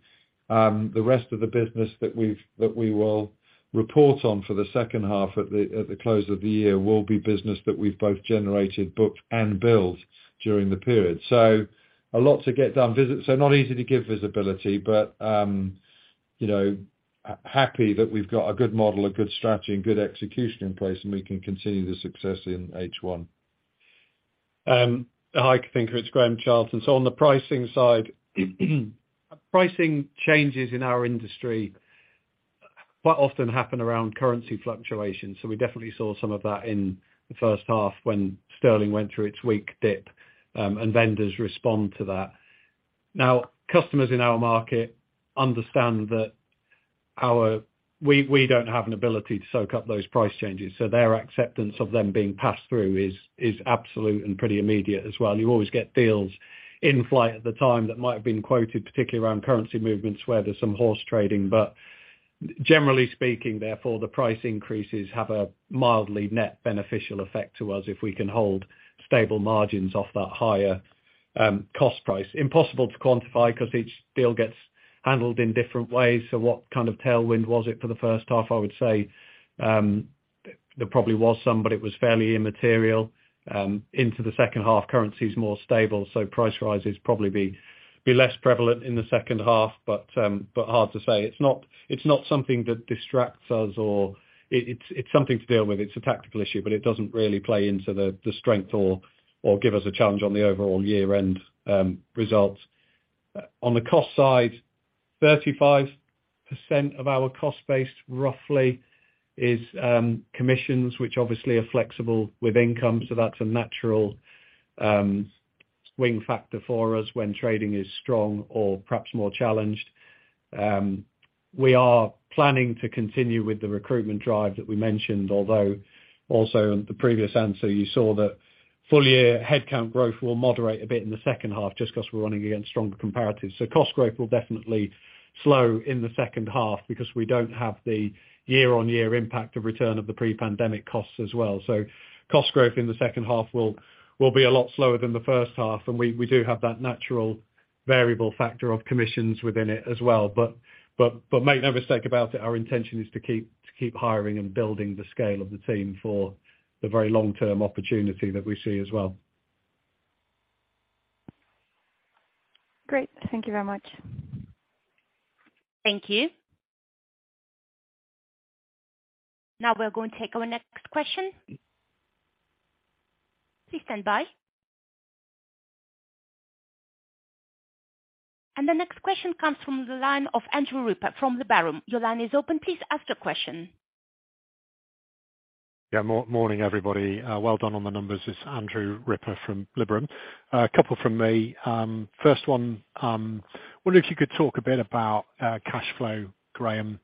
rest of the business that we will report on for the second half at the close of the year will be business that we've both generated, booked, and billed during the period. A lot to get done. Not easy to give visibility, but, you know, happy that we've got a good model, a good strategy, and good execution in place, and we can continue the success in H1. Hi, Kathinka. It's Graham Charlton. On the pricing side, pricing changes in our industry quite often happen around currency fluctuation, we definitely saw some of that in the first half when sterling went through its weak dip, and vendors respond to that. Customers in our market understand that we don't have an ability to soak up those price changes, so their acceptance of them being passed through is absolute and pretty immediate as well. You always get deals in flight at the time that might have been quoted, particularly around currency movements where there's some horse trading. Generally speaking, therefore, the price increases have a mildly net beneficial effect to us if we can hold stable margins off that higher cost price. Impossible to quantify because each deal gets handled in different ways. What kind of tailwind was it for the first half? I would say, there probably was some, but it was fairly immaterial. Into the second half, currency's more stable, so price rises probably be less prevalent in the second half, but hard to say. It's not, it's not something that distracts us or. It's something to deal with. It's a tactical issue, but it doesn't really play into the strength or give us a challenge on the overall year-end results. On the cost side, 35% of our cost base roughly is commissions, which obviously are flexible with income, so that's a natural swing factor for us when trading is strong or perhaps more challenged. We are planning to continue with the recruitment drive that we mentioned, although also in the previous answer you saw that full year headcount growth will moderate a bit in the second half just 'cause we're running against stronger comparatives. Cost growth will definitely slow in the second half because we don't have the year-on-year impact of return of the pre-pandemic costs as well. Cost growth in the second half will be a lot slower than the first half, and we do have that natural variable factor of commissions within it as well. But make no mistake about it, our intention is to keep hiring and building the scale of the team for the very long-term opportunity that we see as well. Great. Thank you very much. Thank you. Now we're going to take our next question. Please stand by. The next question comes from the line of Andrew Ripper from Liberum. Your line is open. Please ask your question. Morning, everybody. Well done on the numbers. It's Andrew Ripper from Liberum. A couple from me. First one, wondered if you could talk a bit about cash flow, Graham.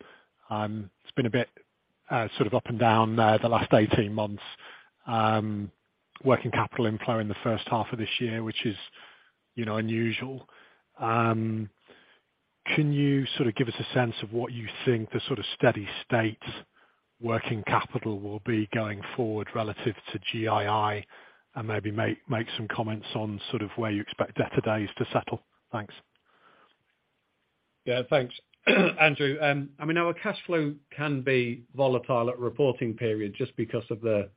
It's been a bit sort of up and down the last 18 months, working capital employ in the first half of this year, which is, you know, unusual. Can you sort of give us a sense of what you think the sort of steady state working capital will be going forward relative to GII and maybe make some comments on sort of where you expect debtor days to settle? Thanks. Yeah. Thanks, Andrew. I mean, our cash flow can be volatile at reporting period just because of the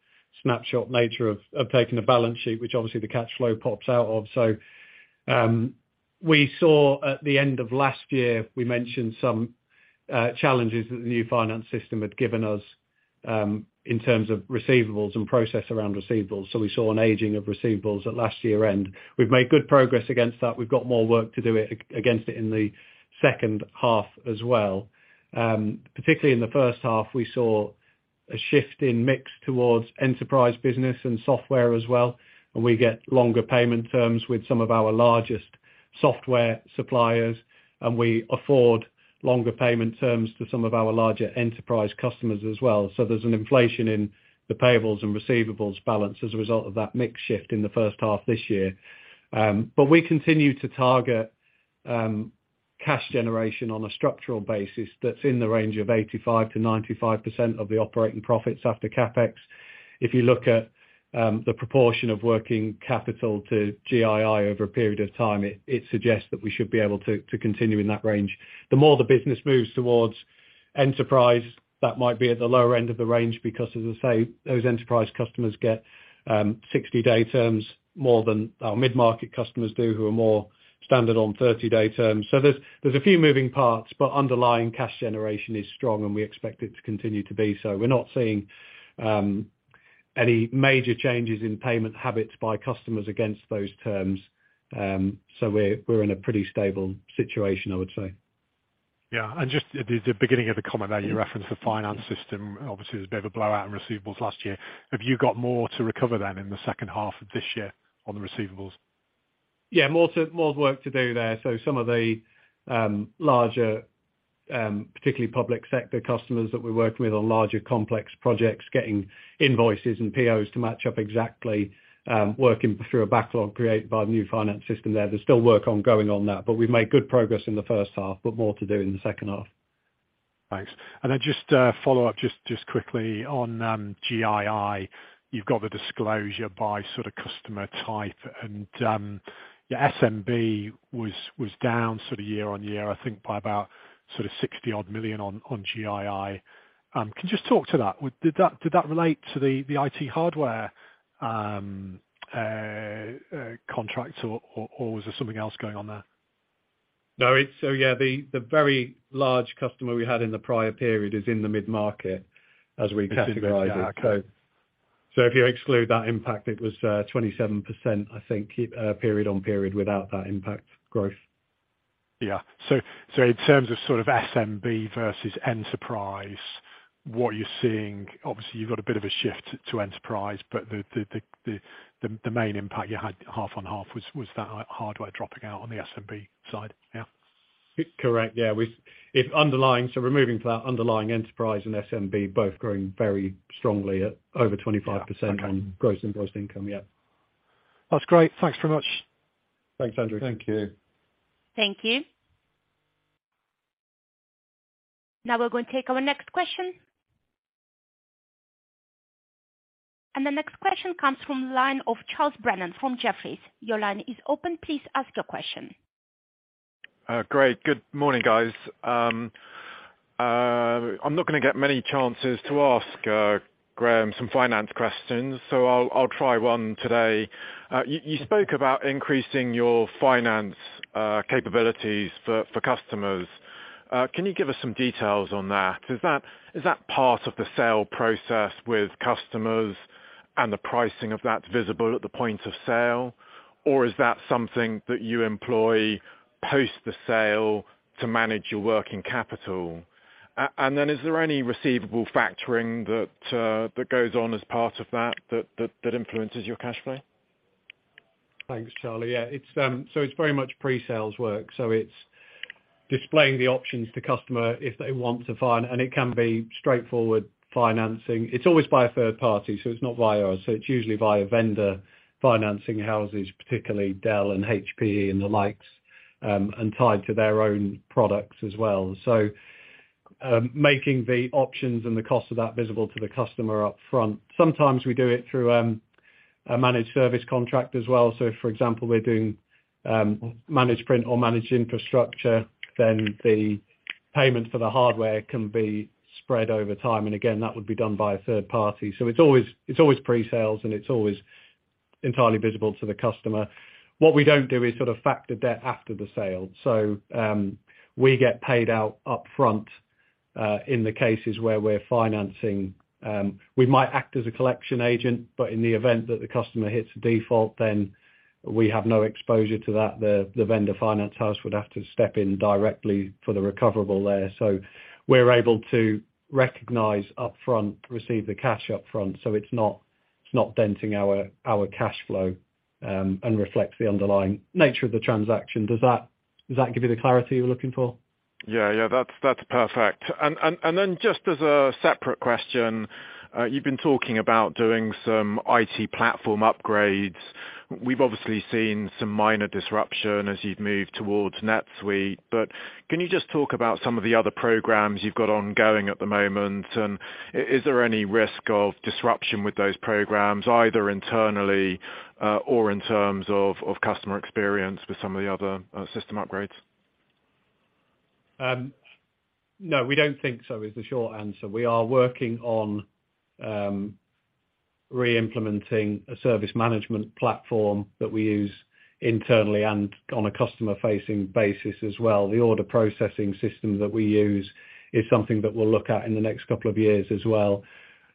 snapshot nature of taking a balance sheet, which obviously the cash flow pops out of. We saw at the end of last year, we mentioned some challenges that the new finance system had given us, in terms of receivables and process around receivables. We saw an aging of receivables at last year end. We've made good progress against that. We've got more work to do it against it in the second half as well. Particularly in the first half, we saw a shift in mix towards enterprise business and software as well, and we get longer payment terms with some of our largest software suppliers, and we afford longer payment terms to some of our larger enterprise customers as well. There's an inflation in the payables and receivables balance as a result of that mix shift in the first half this year. But we continue to target cash generation on a structural basis that's in the range of 85%-95% of the operating profits after CapEx. If you look at the proportion of working capital to GII over a period of time, it suggests that we should be able to continue in that range. The more the business moves towards enterprise, that might be at the lower end of the range because, as I say, those enterprise customers get 60 day terms more than our mid-market customers do, who are more standard on 30 day terms. There's a few moving parts, but underlying cash generation is strong, and we expect it to continue to be so. We're not seeing any major changes in payment habits by customers against those terms. We're in a pretty stable situation, I would say. Yeah. Just at the beginning of the comment that you referenced the finance system, obviously there's a bit of a blowout in receivables last year. Have you got more to recover then in the second half of this year on the receivables? Yeah. More work to do there. Some of the larger, particularly public sector customers that we're working with on larger complex projects, getting invoices and POs to match up exactly, working through a backlog created by the new finance system there. There's still work ongoing on that, but we've made good progress in the first half, but more to do in the second half. Thanks. Just a follow up, just quickly on GII. You've got the disclosure by sort of customer type, and your SMB was down sort of year on year, I think by about sort of 60 odd million on GII. Can you just talk to that? Did that relate to the IT hardware contract or was there something else going on there? No. It's So yeah, the very large customer we had in the prior period is in the mid-market as we categorize it. Okay, got it. So if you exclude that impact, it was 27%, I think, period on period without that impact growth. Yeah. In terms of sort of SMB versus enterprise, what you're seeing, obviously you've got a bit of a shift to enterprise, but the main impact you had half on half was that hardware dropping out on the SMB side, yeah? Correct. Yeah. If underlying, so removing for that underlying enterprise and SMB both growing very strongly at over 25%. Yeah. Okay. On gross invoiced income. Yeah. That's great. Thanks very much. Thanks, Andrew. Thank you. Thank you. Now we're going to take our next question. The next question comes from the line of Charles Brennan from Jefferies. Your line is open. Please ask your question. Great. Good morning, guys. I'm not gonna get many chances to ask Graham some finance questions, so I'll try one today. You spoke about increasing your finance capabilities for customers. Can you give us some details on that? Is that, is that part of the sale process with customers and the pricing of that visible at the point of sale, or is that something that you employ post the sale to manage your working capital? Is there any receivable factoring that goes on as part of that influences your cash flow? Thanks, Charlie. Yeah. It's very much pre-sales work, so it's displaying the options to customer if they want to finance, and it can be straightforward financing. It's always by a third party, so it's not via us. It's usually via vendor financing houses, particularly Dell and HPE and the likes, and tied to their own products as well. Making the options and the cost of that visible to the customer up front. Sometimes we do it through a managed service contract as well. For example, we're doing managed print or managed infrastructure, then the payment for the hardware can be spread over time. Again, that would be done by a third party. It's always, it's always pre-sales, and it's always entirely visible to the customer. What we don't do is sort of factor debt after the sale. We get paid out up front in the cases where we're financing. We might act as a collection agent, but in the event that the customer hits a default, then we have no exposure to that. The vendor finance house would have to step in directly for the recoverable there. We're able to recognize up front, receive the cash up front, so it's not denting our cash flow and reflects the underlying nature of the transaction. Does that give you the clarity you were looking for? Yeah. Yeah. That's perfect. Then just as a separate question, you've been talking about doing some IT platform upgrades. We've obviously seen some minor disruption as you've moved towards NetSuite, but can you just talk about some of the other programs you've got ongoing at the moment? Is there any risk of disruption with those programs, either internally, or in terms of customer experience with some of the other, system upgrades? No, we don't think so, is the short answer. We are working on re-implementing a service management platform that we use internally and on a customer facing basis as well. The order processing system that we use is something that we'll look at in the next couple of years as well.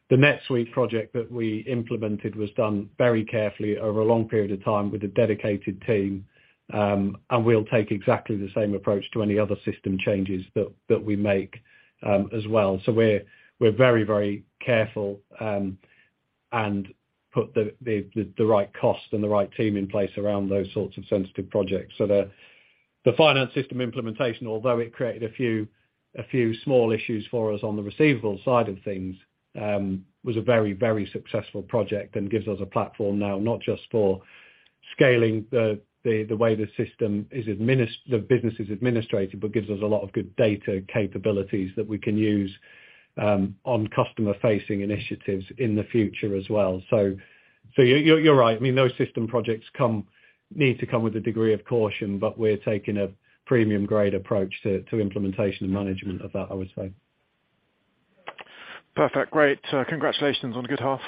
The NetSuite project that we implemented was done very carefully over a long period of time with a dedicated team, and we'll take exactly the same approach to any other system changes that we make as well. We're very, very careful and put the right cost and the right team in place around those sorts of sensitive projects. The finance system implementation, although it created a few small issues for us on the receivables side of things, was a very, very successful project and gives us a platform now, not just for scaling the way the business is administrated, but gives us a lot of good data capabilities that we can use on customer facing initiatives in the future as well. You're right. I mean, those system projects need to come with a degree of caution, but we're taking a premium grade approach to implementation and management of that, I would say. Perfect. Great. Congratulations on a good half.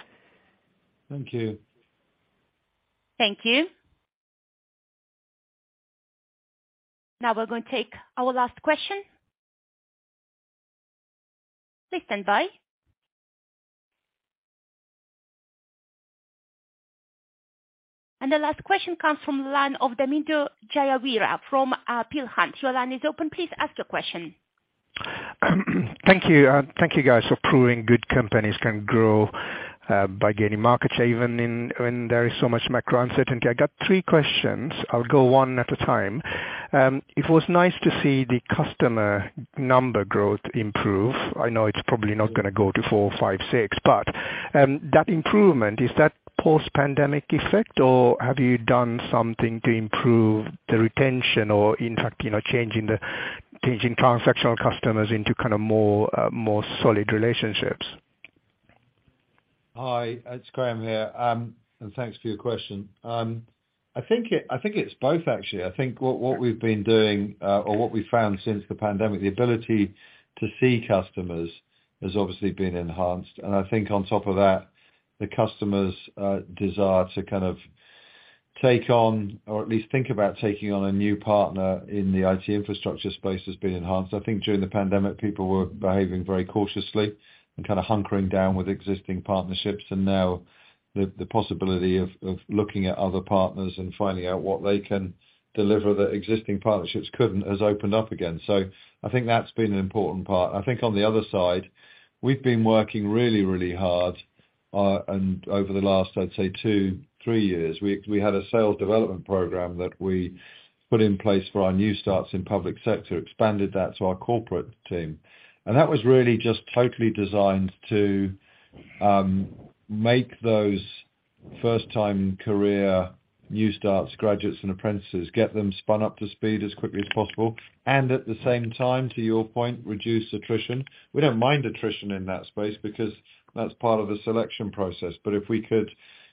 Thank you. Thank you. Now we're going to take our last question. Please stand by. The last question comes from the line of Damindu Jayaweera from Peel Hunt. Your line is open. Please ask your question. Thank you. Thank you guys for proving good companies can grow, by gaining market share even when there is so much macro uncertainty. I got three questions. I'll go one at a time. It was nice to see the customer number growth improve. I know it's probably not gonna go to four, five, six, but, that improvement, is that post-pandemic effect, or have you done something to improve the retention or in fact, you know, changing transactional customers into kind of more, more solid relationships? Hi, it's Graeme here, thanks for your question. I think it, I think it's both, actually. I think what we've been doing, or what we found since the pandemic, the ability to see customers has obviously been enhanced. I think on top of that, the customers, desire to kind of take on or at least think about taking on a new partner in the IT infrastructure space has been enhanced. I think during the pandemic, people were behaving very cautiously and kinda hunkering down with existing partnerships. Now the possibility of looking at other partners and finding out what they can deliver that existing partnerships couldn't has opened up again. I think that's been an important part. I think on the other side, we've been working really, really hard, over the last, I'd say two, three years. We had a sales development program that we put in place for our new starts in public sector, expanded that to our corporate team. That was really just totally designed to make those first-time career new starts, graduates and apprentices, get them spun up to speed as quickly as possible and at the same time, to your point, reduce attrition. We don't mind attrition in that space because that's part of the selection process. If we could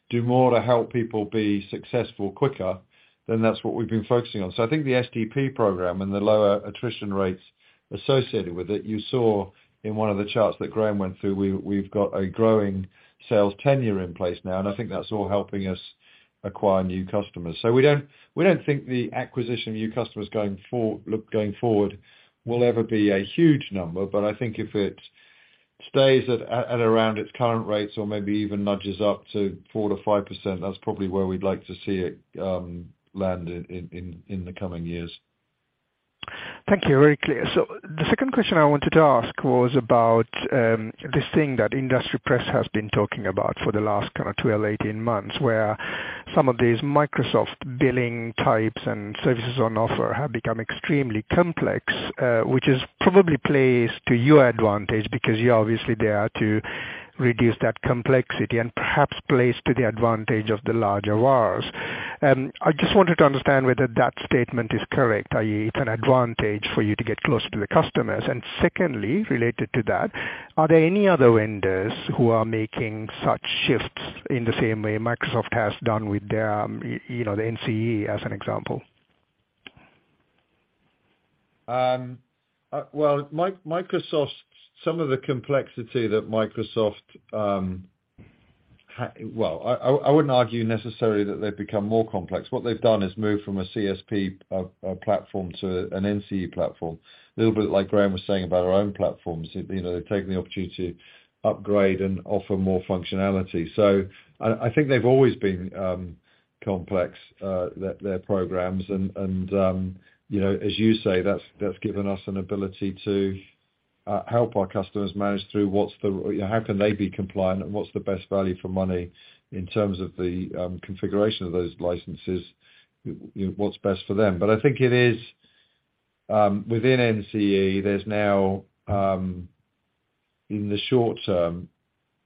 do more to help people be successful quicker, then that's what we've been focusing on. I think the SDP program and the lower attrition rates associated with it, you saw in one of the charts that Graham went through, we've got a growing sales tenure in place now, and I think that's all helping us acquire new customers. We don't think the acquisition of new customers look, going forward will ever be a huge number, but I think if it stays at around its current rates or maybe even nudges up to 4%-5%, that's probably where we'd like to see it land in the coming years. Thank you. Very clear. The second question I wanted to ask was about this thing that industry press has been talking about for the last kind of 12, 18 months, where some of these Microsoft billing types and services on offer have become extremely complex, which is probably plays to your advantage because you're obviously there to reduce that complexity and perhaps plays to the advantage of the larger VARs. I just wanted to understand whether that statement is correct, i.e., it's an advantage for you to get closer to the customers. Secondly, related to that, are there any other vendors who are making such shifts in the same way Microsoft has done with their, you know, the NCE as an example? Well, I wouldn't argue necessarily that they've become more complex. What they've done is move from a CSP platform to an NCE platform. A little bit like Graham was saying about our own platforms. You know, they've taken the opportunity to upgrade and offer more functionality. I think they've always been complex, their programs. You know, as you say, that's given us an ability to help our customers manage through How can they be compliant and what's the best value for money in terms of the configuration of those licenses, you know, what's best for them. I think it is. Within NCE, there's now, in the short term,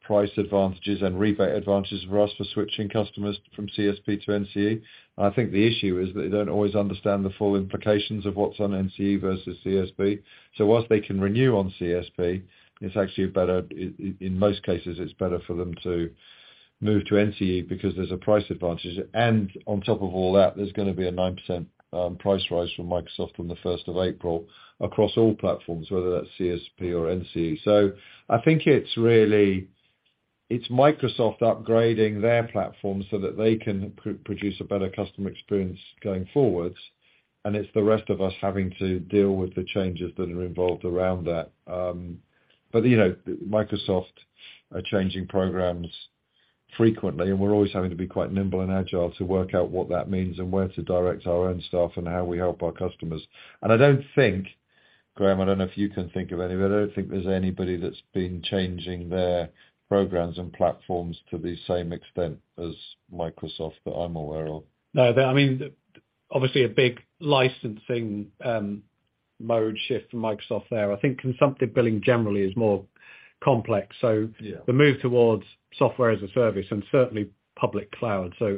price advantages and rebate advantages for us for switching customers from CSP to NCE. I think the issue is they don't always understand the full implications of what's on NCE versus CSP. Whilst they can renew on CSP, it's actually better, in most cases, it's better for them to move to NCE because there's a price advantage. On top of all that, there's gonna be a 9% price rise from Microsoft on the April 1st across all platforms, whether that's CSP or NCE. I think it's really, it's Microsoft upgrading their platform so that they can produce a better customer experience going forwards, and it's the rest of us having to deal with the changes that are involved around that. You know, Microsoft are changing programs frequently, and we're always having to be quite nimble and agile to work out what that means and where to direct our own stuff and how we help our customers. I don't think, Graham, I don't know if you can think of any, but I don't think there's anybody that's been changing their programs and platforms to the same extent as Microsoft that I'm aware of. No, I mean, obviously a big licensing mode shift for Microsoft there. I think consumptive billing generally is more complex. Yeah. the move towards software as a service and certainly public cloud, so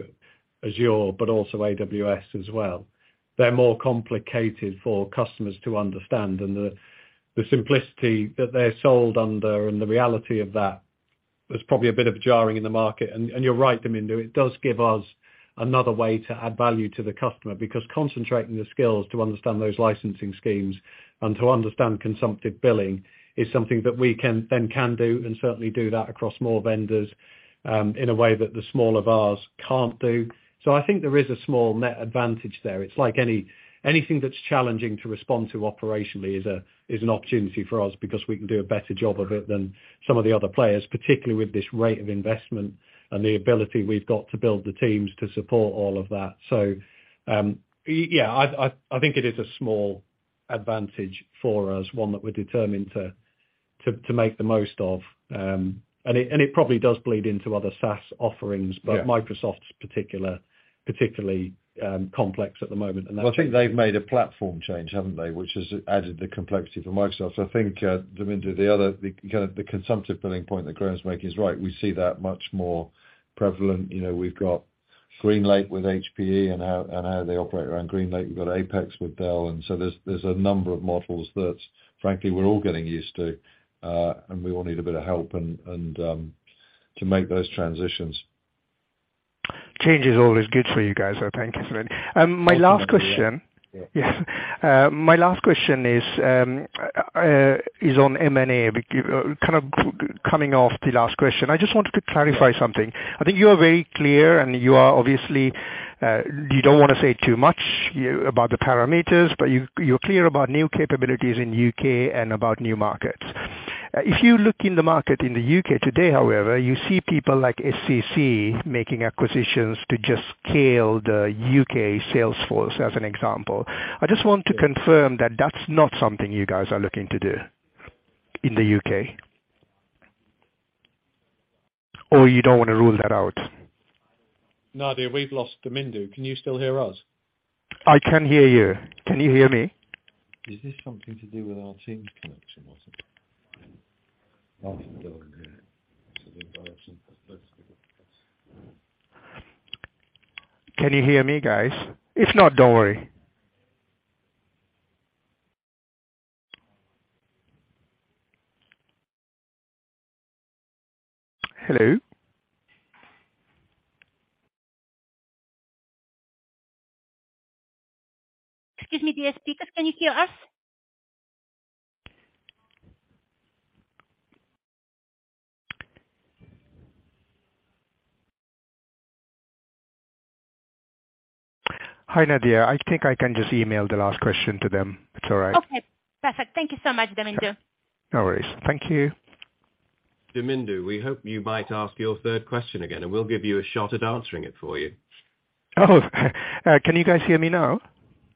Azure, but also AWS as well, they're more complicated for customers to understand. The simplicity that they're sold under and the reality of that. There's probably a bit of jarring in the market. You're right, Damindu, it does give us another way to add value to the customer because concentrating the skills to understand those licensing schemes and to understand consumptive billing is something that we then can do, and certainly do that across more vendors, in a way that the smaller VARs can't do. I think there is a small net advantage there. It's like anything that's challenging to respond to operationally is an opportunity for us because we can do a better job of it than some of the other players, particularly with this rate of investment and the ability we've got to build the teams to support all of that. Yeah, I think it is a small advantage for us, one that we're determined to make the most of. It, and it probably does bleed into other SaaS offerings. Yeah. Microsoft's particularly complex at the moment and that. I think they've made a platform change, haven't they? Which has added the complexity for Microsoft. I think Damindu, the other consumptive billing point that Graham's making is right. We see that much more prevalent. You know, we've got GreenLake with HPE and how they operate around GreenLake. We've got APEX with Dell, there's a number of models that, frankly, we're all getting used to, and we all need a bit of help and to make those transitions. Change is always good for you guys, I think. My last question. Yeah. Yeah. My last question is on M&A. Kind of coming off the last question, I just wanted to clarify something. I think you are very clear, and you are obviously, you don't wanna say too much about the parameters, but you're clear about new capabilities in U.K. and about new markets. If you look in the market in the U.K. today, however, you see people like SCC making acquisitions to just scale the U.K. sales force, as an example. I just want to confirm that that's not something you guys are looking to do in the U.K. You don't wanna rule that out. Nadia, we've lost Damindu. Can you still hear us? I can hear you. Can you hear me? Is this something to do with our team connection or something? Can you hear me, guys? If not, don't worry. Hello? Excuse me, DS speakers. Can you hear us? Hi, Nadia. I think I can just email the last question to them. It's all right. Okay. Perfect. Thank you so much, Damindu. No worries. Thank you. Damindu, we hope you might ask your third question again, and we'll give you a shot at answering it for you. Oh. Can you guys hear me now?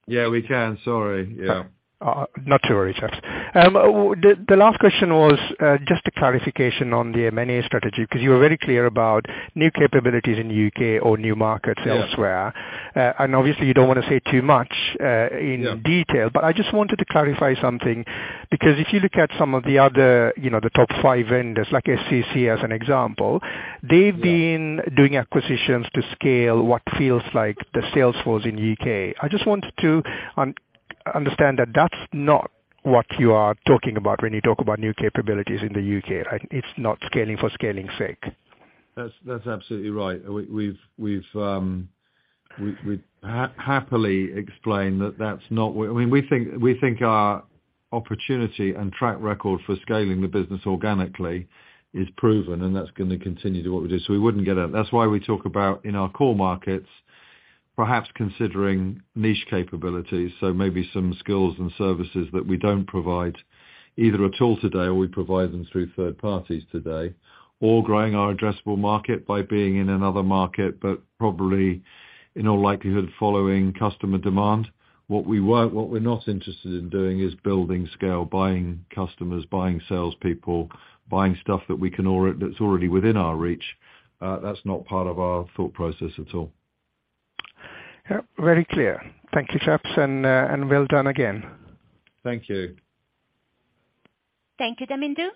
Yeah, we can. Sorry. Yeah. Oh, not to worry, chaps. The last question was just a clarification on the M&A strategy, 'cause you were very clear about new capabilities in U.K. or new markets elsewhere. Yeah. Obviously you don't wanna say too much in detail. Yeah. I just wanted to clarify something, because if you look at some of the other, you know, the top five vendors, like SCC as an example. Yeah. They've been doing acquisitions to scale what feels like the sales force in U.K. I just wanted to understand that that's not what you are talking about when you talk about new capabilities in the U.K. It's not scaling for scaling's sake. That's absolutely right. We've happily explained. We think our opportunity and track record for scaling the business organically is proven, and that's gonna continue to what we do. We wouldn't get out. That's why we talk about, in our core markets, perhaps considering niche capabilities. Maybe some skills and services that we don't provide either at all today, or we provide them through third parties today, or growing our addressable market by being in another market, but probably, in all likelihood, following customer demand. What we won't, what we're not interested in doing is building scale, buying customers, buying salespeople, buying stuff that's already within our reach. That's not part of our thought process at all. Yep. Very clear. Thank you, chaps, and well done again. Thank you. Thank you, Damindu.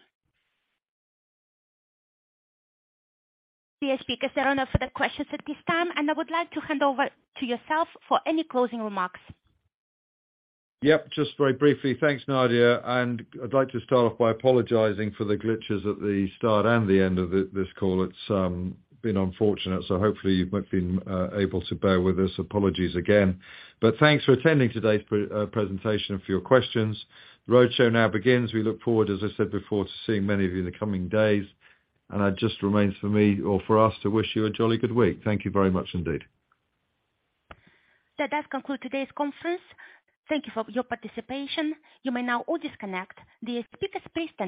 DS speakers, there are no further questions at this time, and I would like to hand over to yourself for any closing remarks. Yep. Just very briefly. Thanks, Nadia. I'd like to start off by apologizing for the glitches at the start and the end of this call. It's been unfortunate, so hopefully you might've been able to bear with us. Apologies again. Thanks for attending today's presentation and for your questions. The roadshow now begins. We look forward, as I said before, to seeing many of you in the coming days. It just remains for me, or for us, to wish you a jolly good week. Thank you very much indeed. That does conclude today's conference. Thank you for your participation. You may now all disconnect. DS speakers please stand by